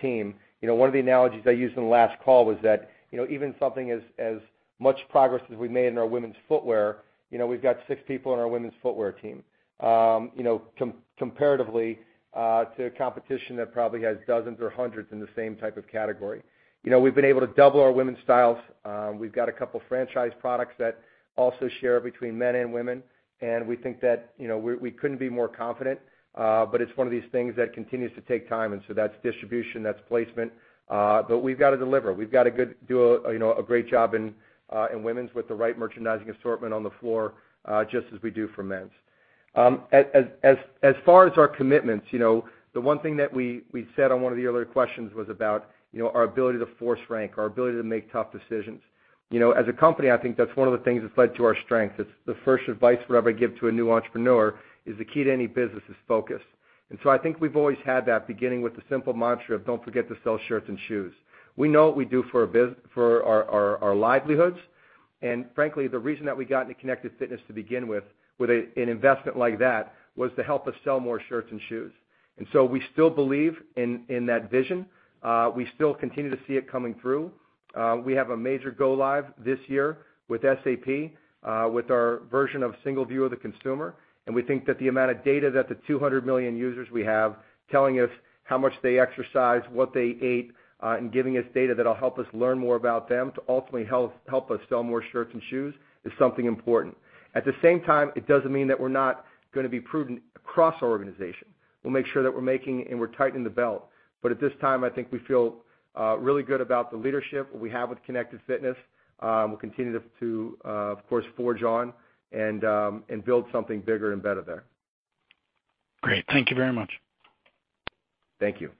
team. One of the analogies I used in the last call was that, even something as much progress as we've made in our women's footwear, we've got six people on our women's footwear team. Comparatively, to competition that probably has dozens or hundreds in the same type of category. We've been able to double our women's styles. We've got a couple franchise products that also share between men and women. We think that we couldn't be more confident. It's one of these things that continues to take time, so that's distribution, that's placement. We've got to deliver. We've got to do a great job in women's with the right merchandising assortment on the floor, just as we do for men's. As far as our commitments, the one thing that we said on one of the earlier questions was about our ability to force rank, our ability to make tough decisions. As a company, I think that's one of the things that's led to our strength. It's the first advice I would ever give to a new entrepreneur is the key to any business is focus. I think we've always had that beginning with the simple mantra of don't forget to sell shirts and shoes. We know what we do for our livelihoods. Frankly, the reason that we got into Connected Fitness to begin with an investment like that, was to help us sell more shirts and shoes. We still believe in that vision. We still continue to see it coming through. We have a major go live this year with SAP, with our version of single view of the consumer, and we think that the amount of data that the 200 million users we have telling us how much they exercise, what they ate, and giving us data that'll help us learn more about them to ultimately help us sell more shirts and shoes, is something important. At the same time, it doesn't mean that we're not going to be prudent across our organization. We'll make sure that we're making and we're tightening the belt. At this time, I think we feel really good about the leadership we have with Connected Fitness. We'll continue to, of course, forge on and build something bigger and better there. Great. Thank you very much. Thank you.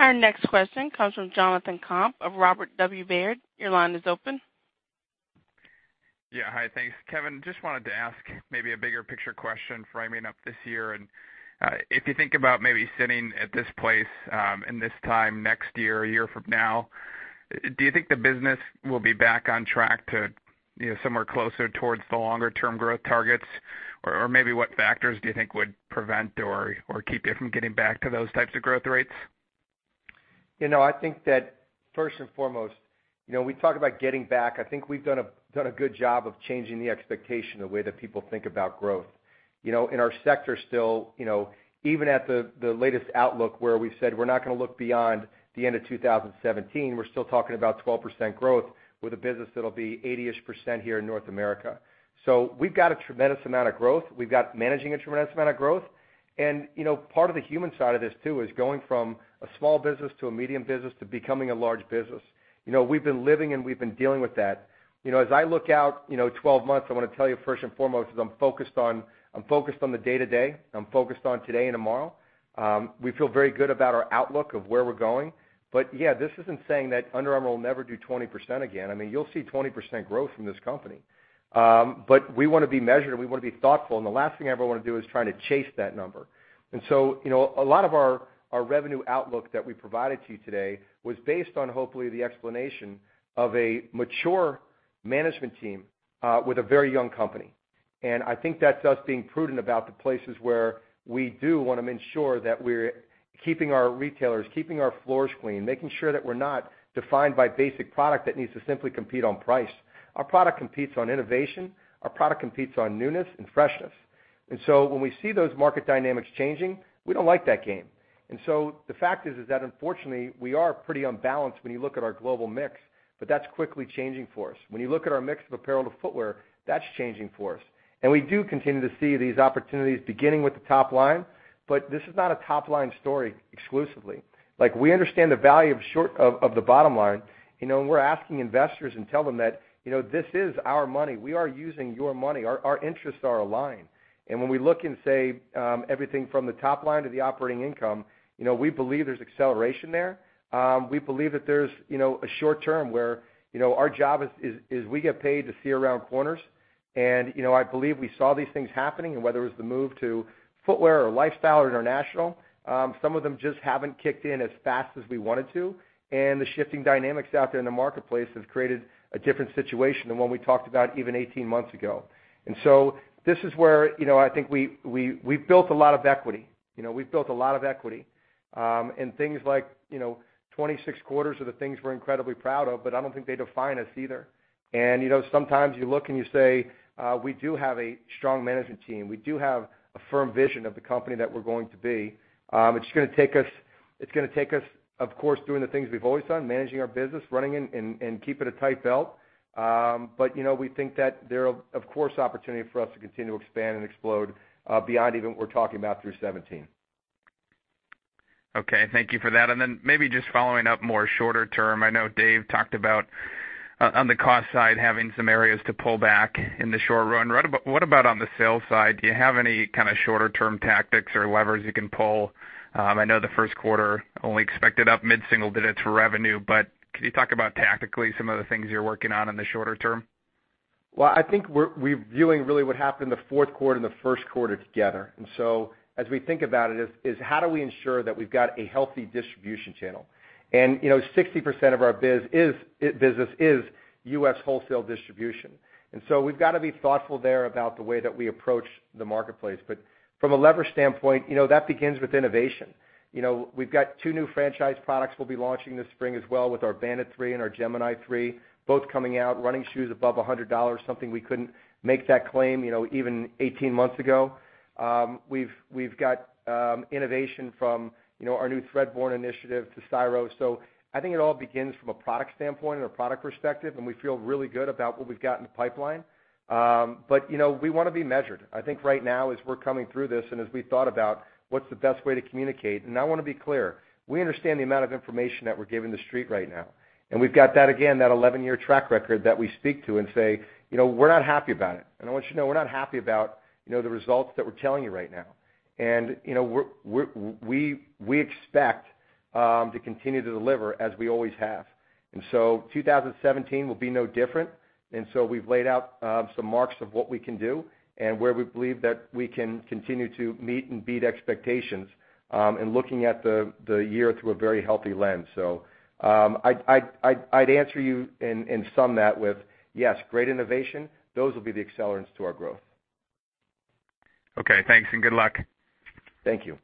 Our next question comes from Jonathan Komp of Robert W. Baird. Your line is open. Yeah. Hi. Thanks. Kevin, just wanted to ask maybe a bigger picture question framing up this year. If you think about maybe sitting at this place, in this time next year, a year from now, do you think the business will be back on track to somewhere closer towards the longer-term growth targets? Maybe what factors do you think would prevent or keep you from getting back to those types of growth rates? I think that first and foremost, we talk about getting back. I think we've done a good job of changing the expectation the way that people think about growth. In our sector still, even at the latest outlook where we've said we're not going to look beyond the end of 2017, we're still talking about 12% growth with a business that'll be 80-ish% here in North America. We've got a tremendous amount of growth. We've got managing a tremendous amount of growth. Part of the human side of this too, is going from a small business to a medium business to becoming a large business. We've been living and we've been dealing with that. As I look out 12 months, I want to tell you first and foremost is I'm focused on the day-to-day. I'm focused on today and tomorrow. We feel very good about our outlook of where we're going. This isn't saying that Under Armour will never do 20% again. You'll see 20% growth from this company. We want to be measured, and we want to be thoughtful, and the last thing I ever want to do is try to chase that number. A lot of our revenue outlook that we provided to you today was based on, hopefully, the explanation of a mature management team, with a very young company. I think that's us being prudent about the places where we do want to ensure that we're keeping our retailers, keeping our floors clean, making sure that we're not defined by basic product that needs to simply compete on price. Our product competes on innovation. Our product competes on newness and freshness. When we see those market dynamics changing, we don't like that game. The fact is that unfortunately, we are pretty unbalanced when you look at our global mix, but that's quickly changing for us. When you look at our mix of apparel to footwear, that's changing for us. We do continue to see these opportunities beginning with the top line, but this is not a top-line story exclusively. We understand the value of the bottom line, and we're asking investors and tell them that, this is our money. We are using your money. Our interests are aligned. When we look and say, everything from the top line to the operating income, we believe there's acceleration there. We believe that there's a short term where our job is we get paid to see around corners. I believe we saw these things happening and whether it was the move to footwear or lifestyle or international. Some of them just haven't kicked in as fast as we wanted to. The shifting dynamics out there in the marketplace have created a different situation than when we talked about even 18 months ago. This is where I think we've built a lot of equity. Things like 26 quarters are the things we're incredibly proud of, but I don't think they define us either. Sometimes you look and you say, we do have a strong management team. We do have a firm vision of the company that we're going to be. It's going to take us, of course, doing the things we've always done, managing our business, running and keeping a tight belt. We think that there are, of course, opportunity for us to continue to expand and explode, beyond even what we're talking about through 2017. Okay. Thank you for that. Maybe just following up more shorter term. I know Dave Bergman talked about on the cost side, having some areas to pull back in the short run. What about on the sales side? Do you have any kind of shorter-term tactics or levers you can pull? I know the first quarter only expected up mid-single digits revenue, can you talk about tactically some of the things you're working on in the shorter term? Well, I think we're viewing really what happened in the fourth quarter and the first quarter together. As we think about it is how do we ensure that we've got a healthy distribution channel. 60% of our business is U.S. wholesale distribution. We've got to be thoughtful there about the way that we approach the marketplace. From a leverage standpoint, that begins with innovation. We've got two new franchise products we'll be launching this spring as well with our Bandit 3 and our Gemini 3, both coming out. Running shoes above $100, something we couldn't make that claim, even 18 months ago. We've got innovation from our new Threadborne initiative to CoolSwitch. I think it all begins from a product standpoint and a product perspective, and we feel really good about what we've got in the pipeline. We want to be measured. I think right now, as we're coming through this and as we thought about what's the best way to communicate, I want to be clear. We understand the amount of information that we're giving the street right now, we've got that again, that 11-year track record that we speak to and say, "We're not happy about it." I want you to know we're not happy about the results that we're telling you right now. We expect to continue to deliver as we always have. 2017 will be no different, we've laid out some marks of what we can do and where we believe that we can continue to meet and beat expectations, and looking at the year through a very healthy lens. I'd answer you and sum that with, yes, great innovation. Those will be the accelerants to our growth. Okay, thanks and good luck. Thank you.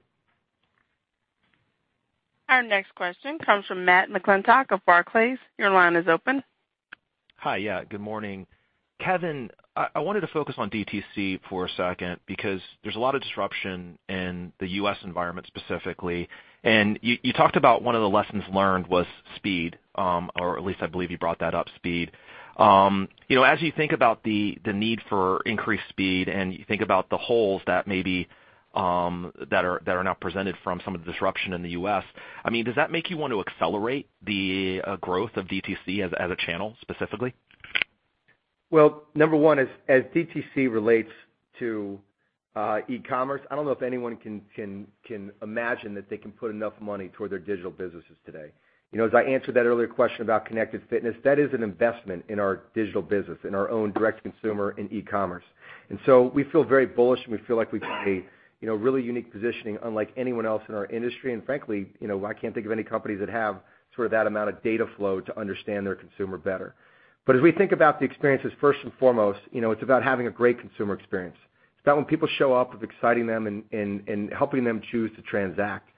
Our next question comes from Matt McClintock of Barclays. Your line is open. Hi. Good morning. Kevin, I wanted to focus on DTC for a second because there's a lot of disruption in the U.S. environment specifically. You talked about one of the lessons learned was speed, or at least I believe you brought that up, speed. As you think about the need for increased speed and you think about the holes that are now presented from some of the disruption in the U.S., does that make you want to accelerate the growth of DTC as a channel specifically? Well, number one, as DTC relates to e-commerce, I don't know if anyone can imagine that they can put enough money toward their digital businesses today. As I answered that earlier question about Connected Fitness, that is an investment in our digital business, in our own direct consumer and e-commerce. We feel very bullish, and we feel like we have a really unique positioning unlike anyone else in our industry. Frankly, I can't think of any companies that have sort of that amount of data flow to understand their consumer better. As we think about the experiences, first and foremost, it's about having a great consumer experience. It's about when people show up, it's exciting them and helping them choose to transact.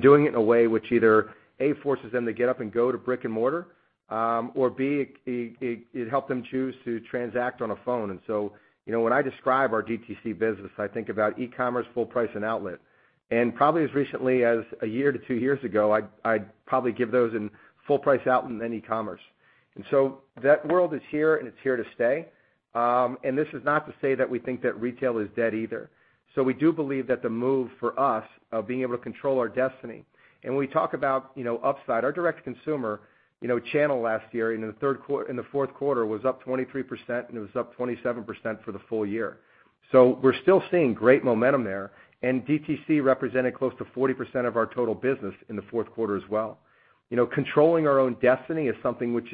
Doing it in a way which either, A, forces them to get up and go to brick and mortar, or B, it helps them choose to transact on a phone. When I describe our DTC business, I think about e-commerce, full price, and outlet. Probably as recently as one to 2 years ago, I'd probably give those in full price out and then e-commerce. That world is here and it's here to stay. This is not to say that we think that retail is dead either. We do believe that the move for us of being able to control our destiny. When we talk about upside, our direct consumer channel last year in the fourth quarter was up 23%, and it was up 27% for the full year. We're still seeing great momentum there, and DTC represented close to 40% of our total business in the fourth quarter as well. Controlling our own destiny is something which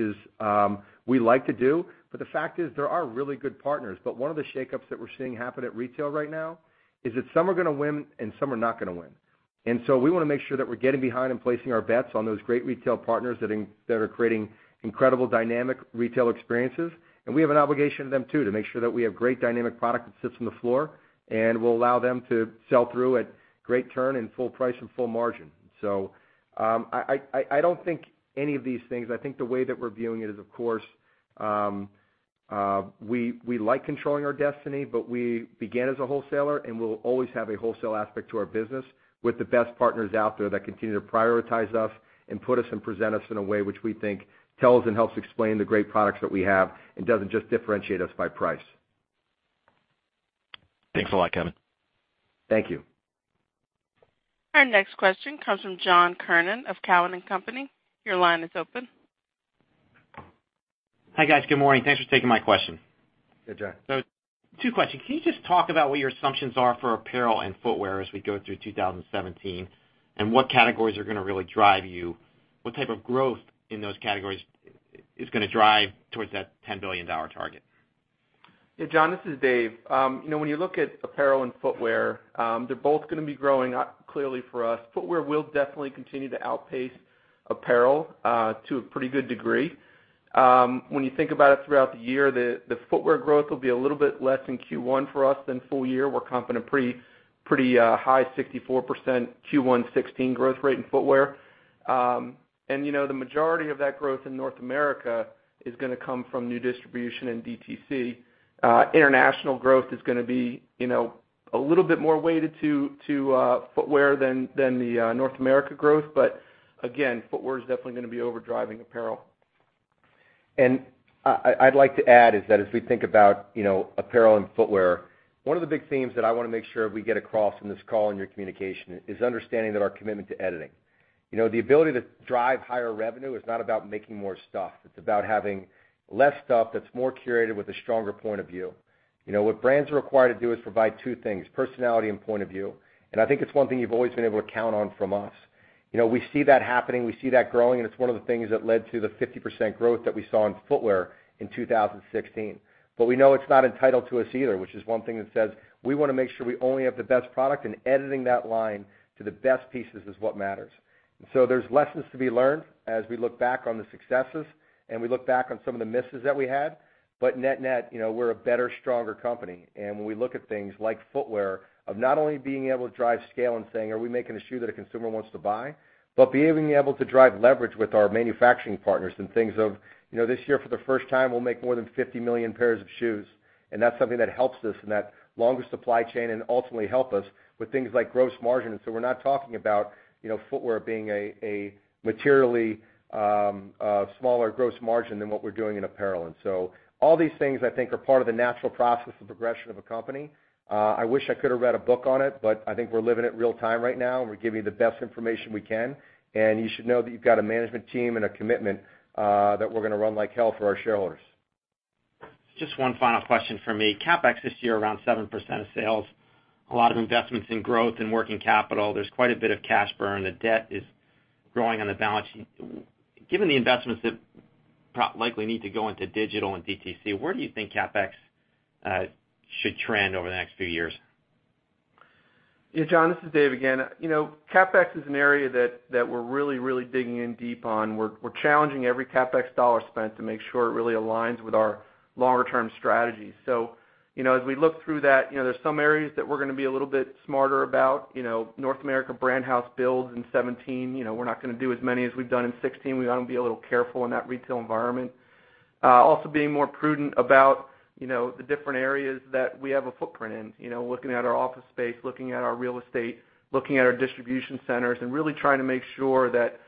we like to do, the fact is there are really good partners. One of the shakeups that we're seeing happen at retail right now is that some are going to win and some are not going to win. We want to make sure that we're getting behind and placing our bets on those great retail partners that are creating incredible dynamic retail experiences. We have an obligation to them too, to make sure that we have great dynamic product that sits on the floor and will allow them to sell through at great turn and full price and full margin. I think the way that we're viewing it is, of course, we like controlling our destiny, we began as a wholesaler, we'll always have a wholesale aspect to our business with the best partners out there that continue to prioritize us and put us and present us in a way which we think tells and helps explain the great products that we have and doesn't just differentiate us by price. Thanks a lot, Kevin. Thank you. Our next question comes from John Kernan of Cowen and Company. Your line is open. Hi, guys. Good morning. Thanks for taking my question. Hey, John. Two questions. Can you just talk about what your assumptions are for apparel and footwear as we go through 2017, and what categories are going to really drive you? What type of growth in those categories is going to drive towards that $10 billion target? Yeah, John, this is Dave. When you look at apparel and footwear, they're both going to be growing clearly for us. Footwear will definitely continue to outpace apparel to a pretty good degree. When you think about it throughout the year, the footwear growth will be a little bit less in Q1 for us than full year. We're comping a pretty high 64% Q1 2016 growth rate in footwear. The majority of that growth in North America is going to come from new distribution in DTC. International growth is going to be a little bit more weighted to footwear than the North America growth. Again, footwear is definitely going to be overdriving apparel. I'd like to add is that as we think about apparel and footwear, one of the big themes that I want to make sure we get across in this call in your communication is understanding that our commitment to editing. The ability to drive higher revenue is not about making more stuff. It's about having less stuff that's more curated with a stronger point of view. What brands are required to do is provide two things, personality and point of view. I think it's one thing you've always been able to count on from us. We see that happening, we see that growing, and it's one of the things that led to the 50% growth that we saw in footwear in 2016. We know it's not entitled to us either, which is one thing that says we want to make sure we only have the best product, and editing that line to the best pieces is what matters. There's lessons to be learned as we look back on the successes and we look back on some of the misses that we had. Net, we're a better, stronger company. When we look at things like footwear, of not only being able to drive scale and saying, "Are we making a shoe that a consumer wants to buy?" But being able to drive leverage with our manufacturing partners and things of, this year, for the first time, we'll make more than 50 million pairs of shoes, and that's something that helps us in that longer supply chain and ultimately help us with things like gross margin. We're not talking about footwear being a materially smaller gross margin than what we're doing in apparel. All these things, I think, are part of the natural process of progression of a company. I wish I could have read a book on it, but I think we're living it real time right now, and we're giving you the best information we can. You should know that you've got a management team and a commitment that we're going to run like hell for our shareholders. Just one final question from me. CapEx this year around 7% of sales. A lot of investments in growth and working capital. There's quite a bit of cash burn. The debt is growing on the balance sheet. Given the investments that likely need to go into digital and DTC, where do you think CapEx should trend over the next few years? Yeah, John, this is Dave again. CapEx is an area that we're really digging in deep on. We're challenging every CapEx dollar spent to make sure it really aligns with our longer-term strategy. As we look through that, there's some areas that we're going to be a little bit smarter about. North America Brand House builds in 2017. We're not going to do as many as we've done in 2016. We want to be a little careful in that retail environment. Also being more prudent about the different areas that we have a footprint in. Looking at our office space, looking at our real estate, looking at our distribution centers, and really trying to make sure that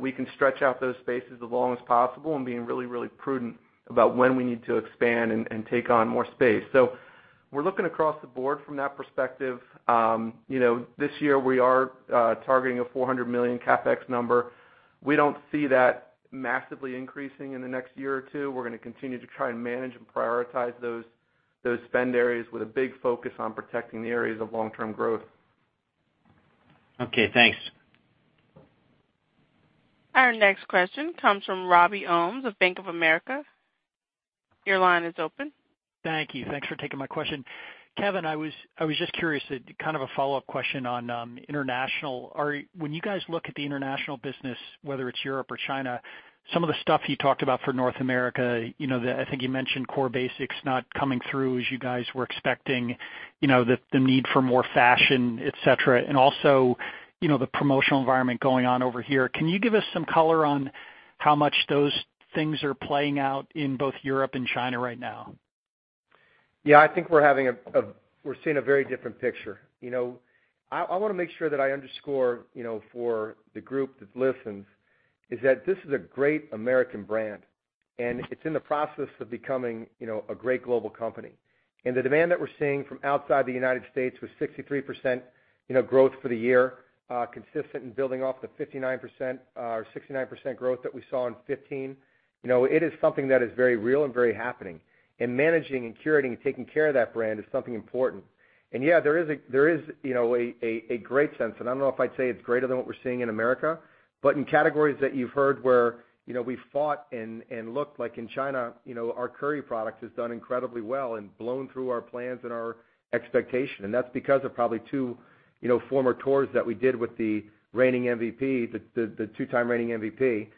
we can stretch out those spaces as long as possible and being really prudent about when we need to expand and take on more space. We're looking across the board from that perspective. This year, we are targeting a $400 million CapEx number. We don't see that massively increasing in the next year or two. We're going to continue to try and manage and prioritize those spend areas with a big focus on protecting the areas of long-term growth. Okay, thanks. Our next question comes from Robbie Ohmes of Bank of America. Your line is open. Thank you. Thanks for taking my question. Kevin, I was just curious, kind of a follow-up question on international. When you guys look at the international business, whether it's Europe or China, some of the stuff you talked about for North America, I think you mentioned core basics not coming through as you guys were expecting, the need for more fashion, et cetera, and also, the promotional environment going on over here. Can you give us some color on how much those things are playing out in both Europe and China right now? Yeah, I think we're seeing a very different picture. I want to make sure that I underscore for the group that listens, is that this is a great American brand, and it's in the process of becoming a great global company. The demand that we're seeing from outside the United States was 63% growth for the year, consistent in building off the 59% or 69% growth that we saw in 2015. It is something that is very real and very happening. Managing and curating and taking care of that brand is something important. Yeah, there is a great sense, and I don't know if I'd say it's greater than what we're seeing in America, but in categories that you've heard where we fought and looked like in China, our Curry product has done incredibly well and blown through our plans and our expectation. That's because of probably two former tours that we did with the two-time reigning MVP,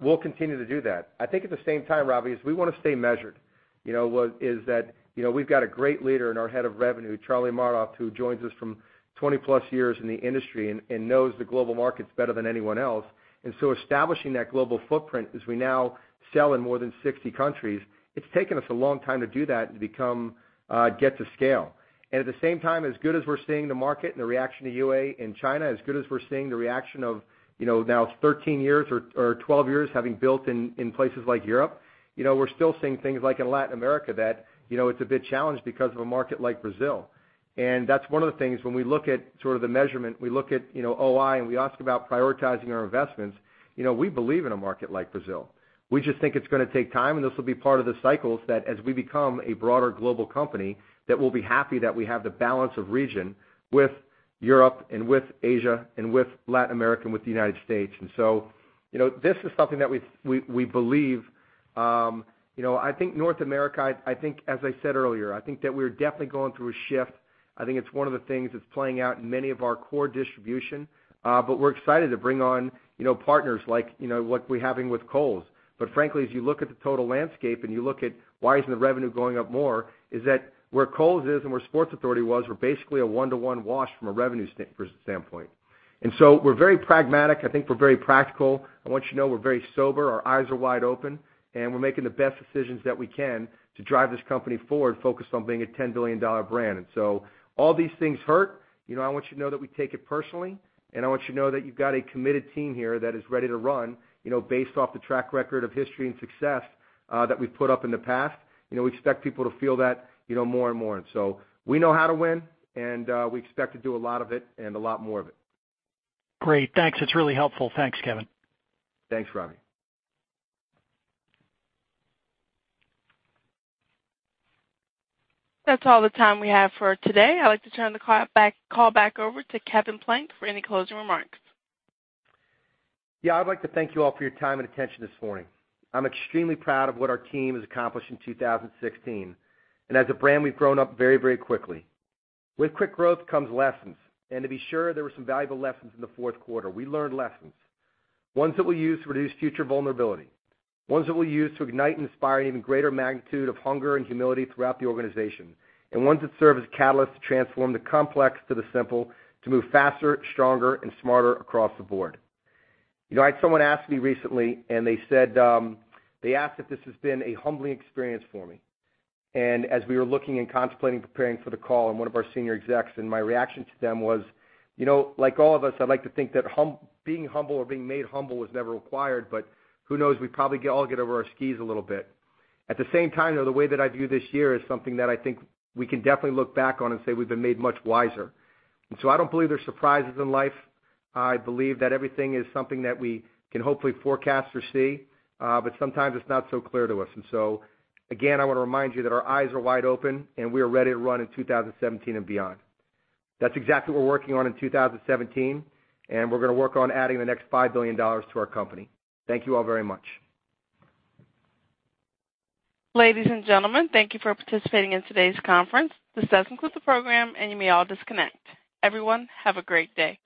we'll continue to do that. I think at the same time, Robbie Ohmes, we want to stay measured. We've got a great leader in our head of revenue, Charlie Maurath, who joins us from 20-plus years in the industry and knows the global markets better than anyone else. Establishing that global footprint as we now sell in more than 60 countries, it's taken us a long time to do that and to get to scale. At the same time, as good as we're seeing the market and the reaction to UA in China, as good as we're seeing the reaction of now it's 13 years or 12 years having built in places like Europe, we're still seeing things like in Latin America that it's a bit challenged because of a market like Brazil. That's one of the things when we look at sort of the measurement, we look at OI, we ask about prioritizing our investments. We believe in a market like Brazil. We just think it's going to take time, and this will be part of the cycles that as we become a broader global company, that we'll be happy that we have the balance of region with Europe and with Asia and with Latin America and with the United States. This is something that we believe. I think North America, as I said earlier, I think that we're definitely going through a shift. I think it's one of the things that's playing out in many of our core distribution. We're excited to bring on partners like what we're having with Kohl's. Frankly, as you look at the total landscape and you look at why isn't the revenue going up more is that where Kohl's is and where Sports Authority was, we're basically a one-to-one wash from a revenue standpoint. We're very pragmatic. I think we're very practical. I want you to know we're very sober. Our eyes are wide open, and we're making the best decisions that we can to drive this company forward, focused on being a $10 billion brand. All these things hurt. I want you to know that we take it personally, and I want you to know that you've got a committed team here that is ready to run, based off the track record of history and success that we've put up in the past. We expect people to feel that more and more. We know how to win, and we expect to do a lot of it and a lot more of it. Great. Thanks. It is really helpful. Thanks, Kevin. Thanks, Robbie. That is all the time we have for today. I would like to turn the call back over to Kevin Plank for any closing remarks. Yeah. I would like to thank you all for your time and attention this morning. I am extremely proud of what our team has accomplished in 2016. As a brand, we have grown up very quickly. With quick growth comes lessons, and to be sure, there were some valuable lessons in the fourth quarter. We learned lessons, ones that we will use to reduce future vulnerability, ones that we will use to ignite and inspire an even greater magnitude of hunger and humility throughout the organization, and ones that serve as catalysts to transform the complex to the simple, to move faster, stronger, and smarter across the board. I had someone ask me recently, and they asked if this has been a humbling experience for me. As we were looking and contemplating preparing for the call and one of our senior execs, and my reaction to them was, like all of us, I'd like to think that being humble or being made humble is never required, but who knows, we probably all get over our skis a little bit. At the same time, though, the way that I view this year is something that I think we can definitely look back on and say we've been made much wiser. I don't believe there's surprises in life. I believe that everything is something that we can hopefully forecast or see. Sometimes it's not so clear to us. Again, I want to remind you that our eyes are wide open, and we are ready to run in 2017 and beyond. That's exactly what we're working on in 2017, and we're going to work on adding the next $5 billion to our company. Thank you all very much. Ladies and gentlemen, thank you for participating in today's conference. This does conclude the program, and you may all disconnect. Everyone, have a great day.